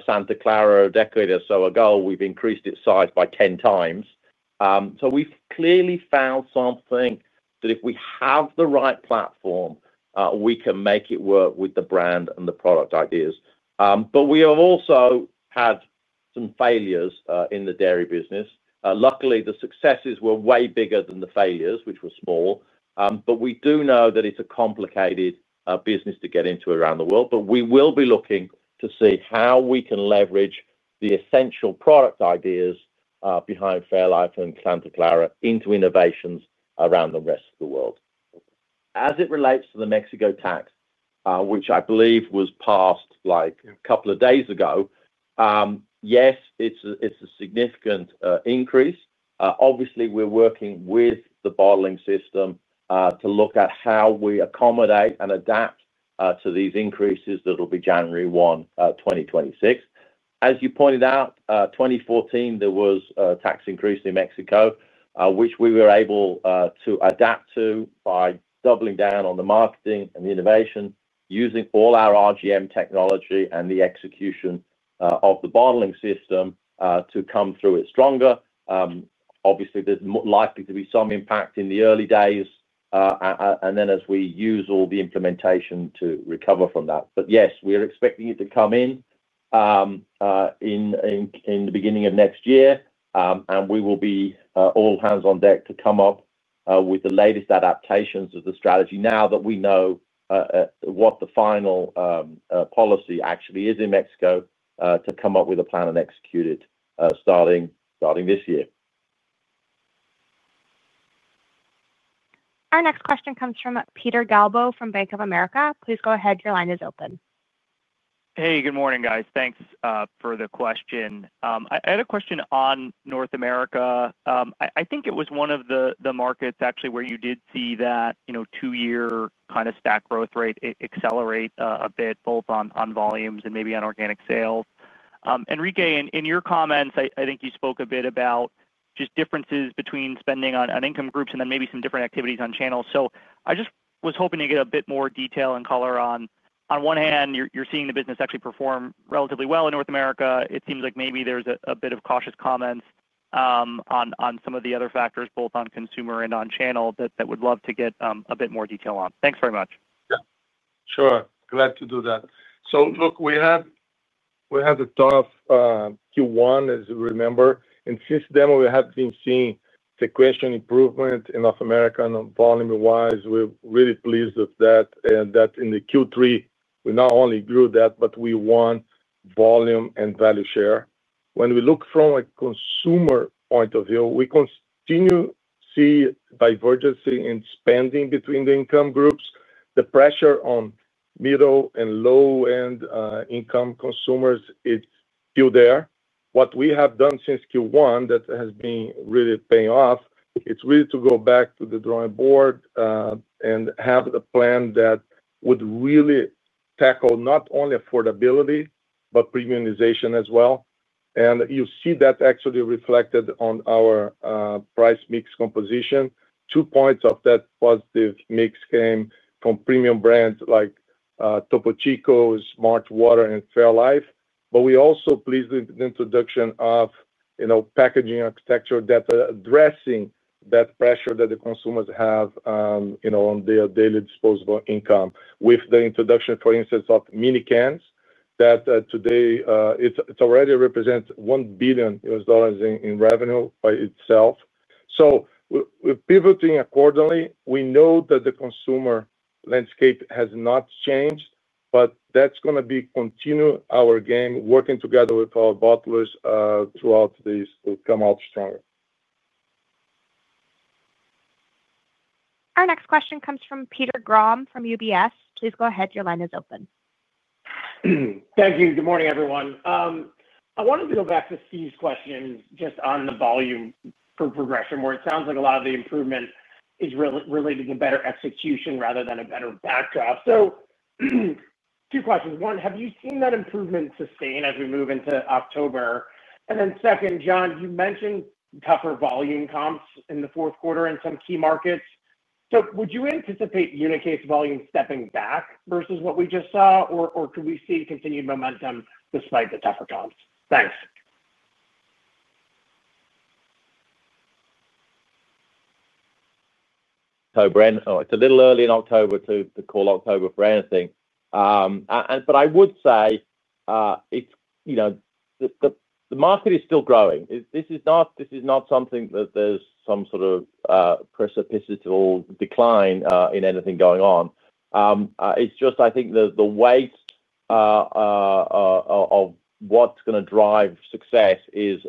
Santa Clara a decade or so ago, we've increased its size by 10x. We've clearly found something that if we have the right platform, we can make it work with the brand and the product ideas. We have also had some failures in the dairy business. Luckily, the successes were way bigger than the failures, which were small. We do know that it's a complicated business to get into around the world. We will be looking to see how we can leverage the essential product ideas behind fairlife and Santa Clara into innovations around the rest of the world. As it relates to the Mexico tax, which I believe was passed a couple of days ago, yes, it's a significant increase. Obviously, we're working with the bottling system to look at how we accommodate and adapt to these increases that will be January 1st, 2026. As you pointed out, 2014, there was a tax increase in Mexico, which we were able to adapt to by doubling down on the marketing and the innovation, using all our RGM technology and the execution of the bottling system to come through it stronger. Obviously, there's likely to be some impact in the early days, and then as we use all the implementation to recover from that. Yes, we are expecting it to come in at the beginning of next year, and we will be all hands on deck to come up with the latest adaptations of the strategy now that we know what the final policy actually is in Mexico to come up with a plan and execute it starting this year. Our next question comes from Peter Galbo from Bank of America. Please go ahead. Your line is open. Hey, good morning, guys. Thanks for the question. I had a question on North America. I think it was one of the markets where you did see that two-year kind of stack growth rate accelerate a bit, both on volumes and maybe on organic sales. Henrique, in your comments, I think you spoke a bit about differences between spending on income groups and then maybe some different activities on channel. I was hoping to get a bit more detail and color on, on one hand, you're seeing the business actually perform relatively well in North America. It seems like maybe there's a bit of cautious comments on some of the other factors, both on consumer and on channel, that I would love to get a bit more detail on. Thanks very much. Yeah. Sure. Glad to do that. Look, we had the tough Q1, as you remember. In this demo, we have been seeing sequential improvement in North America and volume-wise. We're really pleased with that. In Q3, we not only grew that, but we won volume and value share. When we look from a consumer point of view, we continue to see divergence in spending between the income groups. The pressure on middle and low-end income consumers is still there. What we have done since Q1 that has been really paying off is really to go back to the drawing board and have a plan that would really tackle not only affordability, but premiumization as well. You see that actually reflected on our price mix composition. Two points of that positive mix came from premium brands like Topo Chico, smartwater, and fairlife. We're also pleased with the introduction of packaging architecture that's addressing that pressure that the consumers have on their daily disposable income with the introduction, for instance, of mini cans that today already represent $1 billion in revenue by itself. We're pivoting accordingly. We know that the consumer landscape has not changed, but that's going to continue our game, working together with our bottlers throughout this to come out stronger. Our next question comes from Peter Grom from UBS. Please go ahead. Your line is open. Thank you. Good morning, everyone. I wanted to go back to Steve's question just on the volume progression, where it sounds like a lot of the improvement is related to better execution rather than a better backdraft. Two questions. One, have you seen that improvement sustain as we move into October? Second, John, you mentioned tougher volume comps in the fourth quarter in some key markets. Would you anticipate unit case volume stepping back versus what we just saw, or could we see continued momentum despite the tougher comps? Thanks. Hi, Peter Grom. Oh, it's a little early in October to call October for anything. I would say it's, you know, the market is still growing. This is not something that there's some sort of precipitable decline in anything going on. I think the weight of what's going to drive success is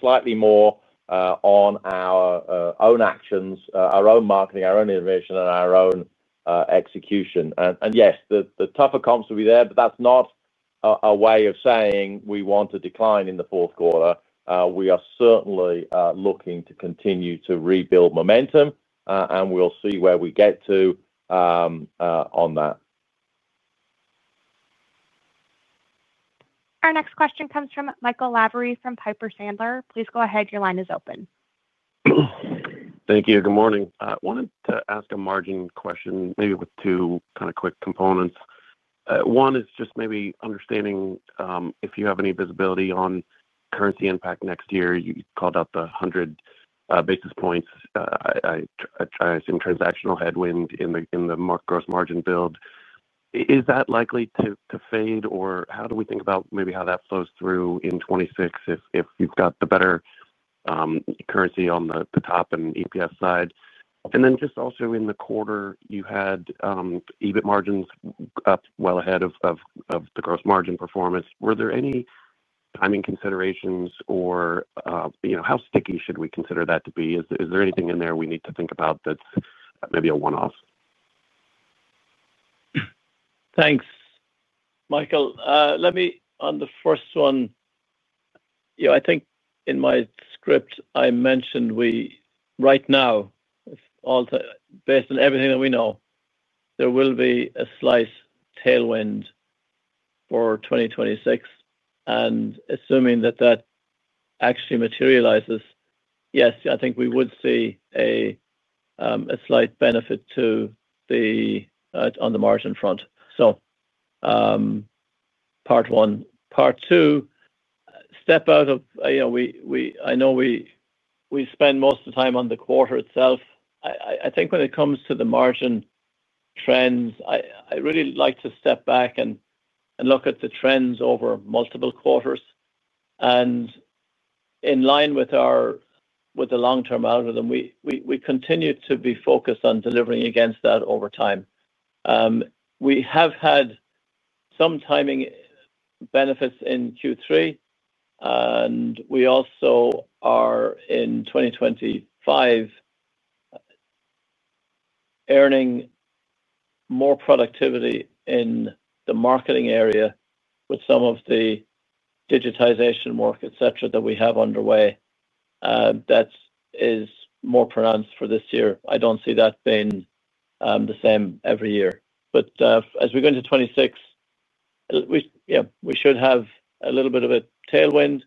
slightly more on our own actions, our own marketing, our own innovation, and our own execution. Yes, the tougher comps will be there, but that's not a way of saying we want to decline in the fourth quarter. We are certainly looking to continue to rebuild momentum, and we'll see where we get to on that. Our next question comes from Michael Lavery from Piper Sandler. Please go ahead. Your line is open. Thank you. Good morning. I wanted to ask a margin question, maybe with two kind of quick components. One is just maybe understanding if you have any visibility on currency impact next year. You called out the 100 basis points. I assume transactional headwind in the gross margin build. Is that likely to fade, or how do we think about maybe how that flows through in 2026 if you've got the better currency on the top and EPS side? Also, in the quarter, you had EBIT margins up well ahead of the gross margin performance. Were there any timing considerations, or how sticky should we consider that to be? Is there anything in there we need to think about that's maybe a one-off? Thanks, Michael. Let me, on the first one, I think in my script, I mentioned we right now, if all based on everything that we know, there will be a slight tailwind for 2026. Assuming that that actually materializes, yes, I think we would see a slight benefit on the margin front. Part two, step out of, I know we spend most of the time on the quarter itself. I think when it comes to the margin trends, I really like to step back and look at the trends over multiple quarters. In line with our long-term algorithm, we continue to be focused on delivering against that over time. We have had some timing benefits in Q3, and we also are in 2025 earning more productivity in the marketing area with some of the digitization work, etc., that we have underway. That is more pronounced for this year. I don't see that being the same every year. As we go into 2026, we should have a little bit of a tailwind,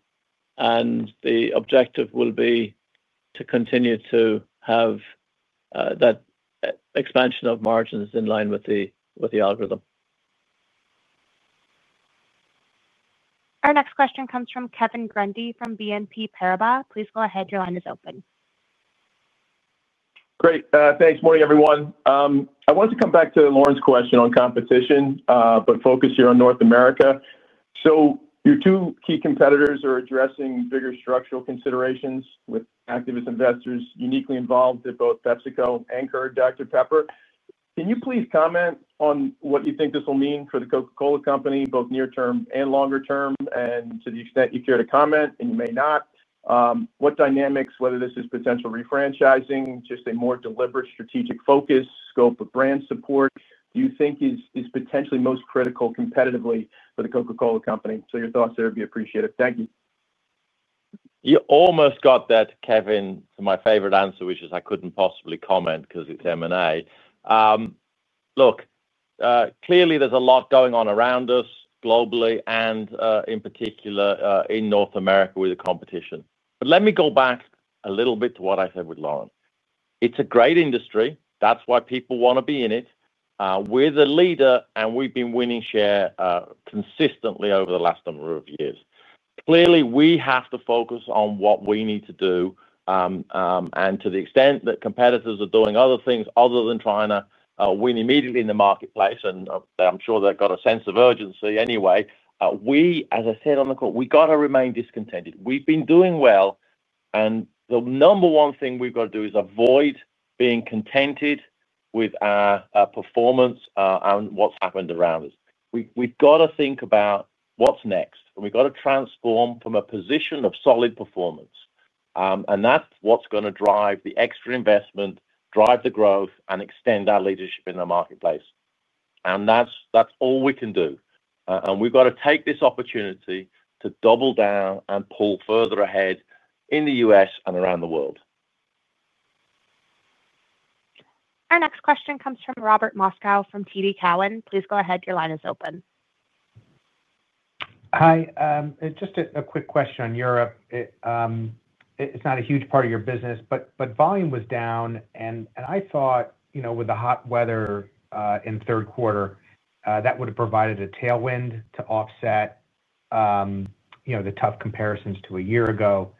and the objective will be to continue to have that expansion of margins in line with the algorithm. Our next question comes from Kevin Grundy from BNP Paribas. Please go ahead. Your line is open. Great. Thanks. Morning, everyone. I wanted to come back to Lauren's question on competition, but focus here on North America. Your two key competitors are addressing bigger structural considerations with activist investors uniquely involved at both PepsiCo and Keurig Dr Pepper. Can you please comment on what you think this will mean for The Coca-Cola Company, both near-term and longer term? To the extent you care to comment, and you may not, what dynamics, whether this is potential refranchising, just a more deliberate strategic focus, scope of brand support, do you think is potentially most critical competitively for The Coca-Cola Company? Your thoughts there would be appreciated. Thank you. You almost got that, Kevin, to my favorite answer, which is I couldn't possibly comment because it's M&A. Look, clearly, there's a lot going on around us globally and in particular in North America with the competition. Let me go back a little bit to what I said with Lauren. It's a great industry. That's why people want to be in it. We're the leader, and we've been winning share consistently over the last number of years. Clearly, we have to focus on what we need to do. To the extent that competitors are doing other things other than trying to win immediately in the marketplace, and I'm sure they've got a sense of urgency anyway, we, as I said on the call, we got to remain discontented. We've been doing well, and the number one thing we've got to do is avoid being contented with our performance and what's happened around us. We've got to think about what's next, and we've got to transform from a position of solid performance. That's what's going to drive the extra investment, drive the growth, and extend our leadership in the marketplace. That's all we can do. We've got to take this opportunity to double down and pull further ahead in the U.S. and around the world. Our next question comes from Robert Moskow from TD Cowen. Please go ahead. Your line is open. Hi. Just a quick question on Europe. It's not a huge part of your business, but volume was down. I thought, you know, with the hot weather in the third quarter, that would have provided a tailwind to offset the tough comparisons to a year ago.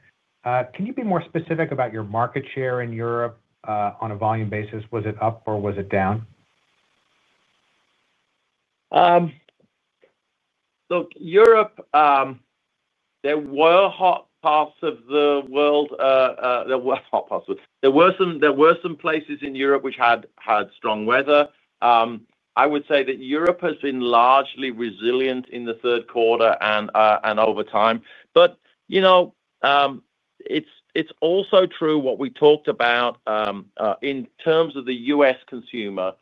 Can you be more specific about your market share in Europe on a volume basis? Was it up or was it down? Look, Europe, there were hot parts of the world. There were hot parts of the world. There were some places in Europe which had strong weather. I would say that Europe has been largely resilient in the third quarter and over time. You know, it's also true what we talked about in terms of the U.S. consumer.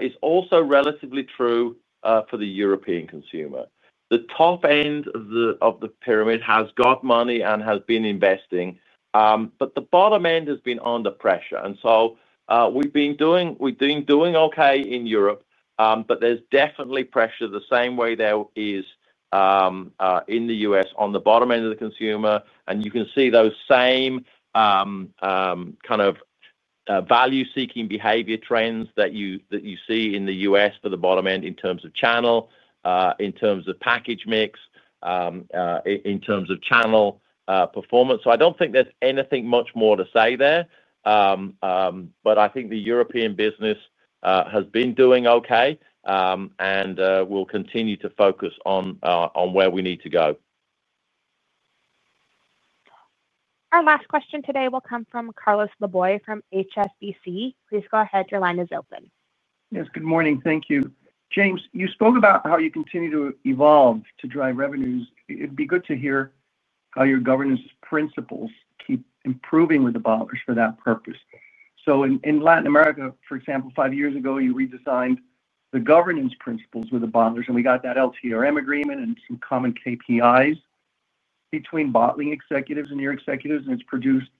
It's also relatively true for the European consumer. The top end of the pyramid has got money and has been investing, but the bottom end has been under pressure. We've been doing okay in Europe, but there's definitely pressure the same way there is in the U.S. on the bottom end of the consumer. You can see those same kind of value-seeking behavior trends that you see in the U.S. for the bottom end in terms of channel, in terms of package mix, in terms of channel performance. I don't think there's anything much more to say there, but I think the European. Business has been doing okay, and we'll continue to focus on where we need to go. Our last question today will come from Carlos Laboy from HSBC. Please go ahead, your line is open. Yes, good morning, thank you. James, you spoke about how you continue to evolve to drive revenues. It'd be good to hear how your governance principles keep improving with the bottlers for that purpose. In Latin America, for example, five years ago you redesigned the governance principles with the bottlers, and we got that LTRM agreement and some common KPIs between bottling executives and your executives, and it's produced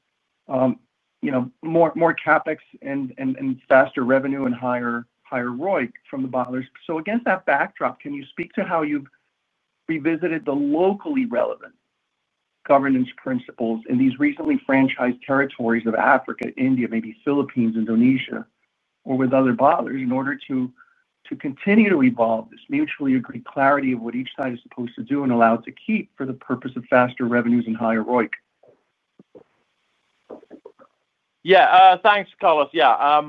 more CapEx and faster revenue and higher ROIC from the bottlers. Against that backdrop, can you speak to how you've revisited the locally relevant governance principles in these recently franchised territories of Africa, India, maybe Philippines, Indonesia, or with other bottlers in order to continue to evolve this mutually agreed clarity of what each side is supposed to do and allow to keep for the purpose of faster revenues and higher ROIC? Yeah, thanks, Carlos. Yeah,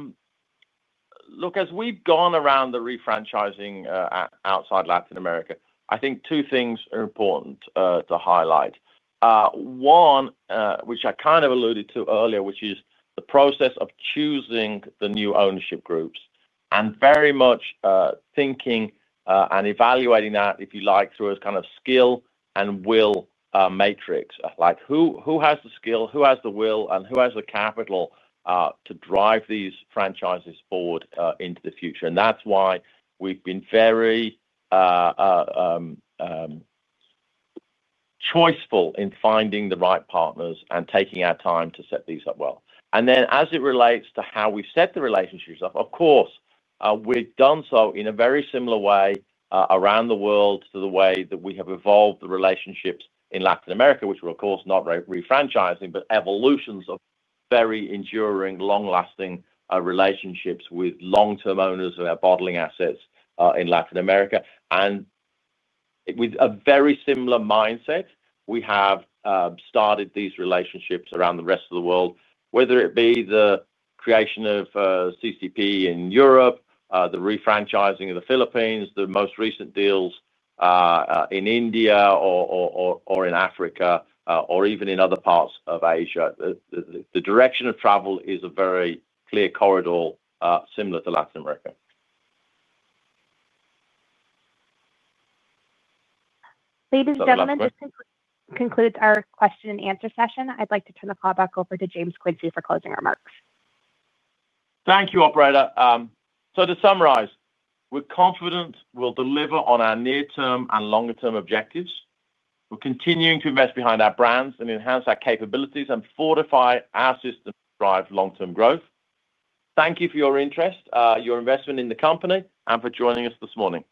look, as we've gone around the refranchising outside Latin America, I think two things are important to highlight. One, which I kind of alluded to earlier, is the process of choosing the new ownership groups and very much thinking and evaluating that, if you like, through a kind of skill and will matrix. Like, who has the skill, who has the will, and who has the capital to drive these franchises forward into the future? That's why we've been very choiceful in finding the right partners and taking our time to set these up well. As it relates to how we set the relationships up, of course, we've done so in a very similar way around the world to the way that we have evolved the relationships in Latin America, which were, of course, not refranchising but evolutions of very enduring, long-lasting relationships with long-term owners of our bottling assets in Latin America. With a very similar mindset, we have started these relationships around the rest of the world, whether it be the creation of CCEP in Europe, the refranchising of the Philippines, the most recent deals in India, or in Africa, or even in other parts of Asia. The direction of travel is a very clear corridor, similar to Latin America. Ladies and gentlemen, this concludes our question and answer session. I'd like to turn the call back over to James Quincey for closing remarks. Thank you, operator. To summarize, we're confident we'll deliver on our near-term and longer-term objectives. We're continuing to invest behind our brands, enhance our capabilities, and fortify our system to drive long-term growth. Thank you for your interest, your investment in the company, and for joining us this morning.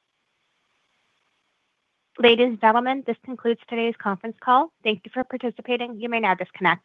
Ladies and gentlemen, this concludes today's conference call. Thank you for participating. You may now disconnect.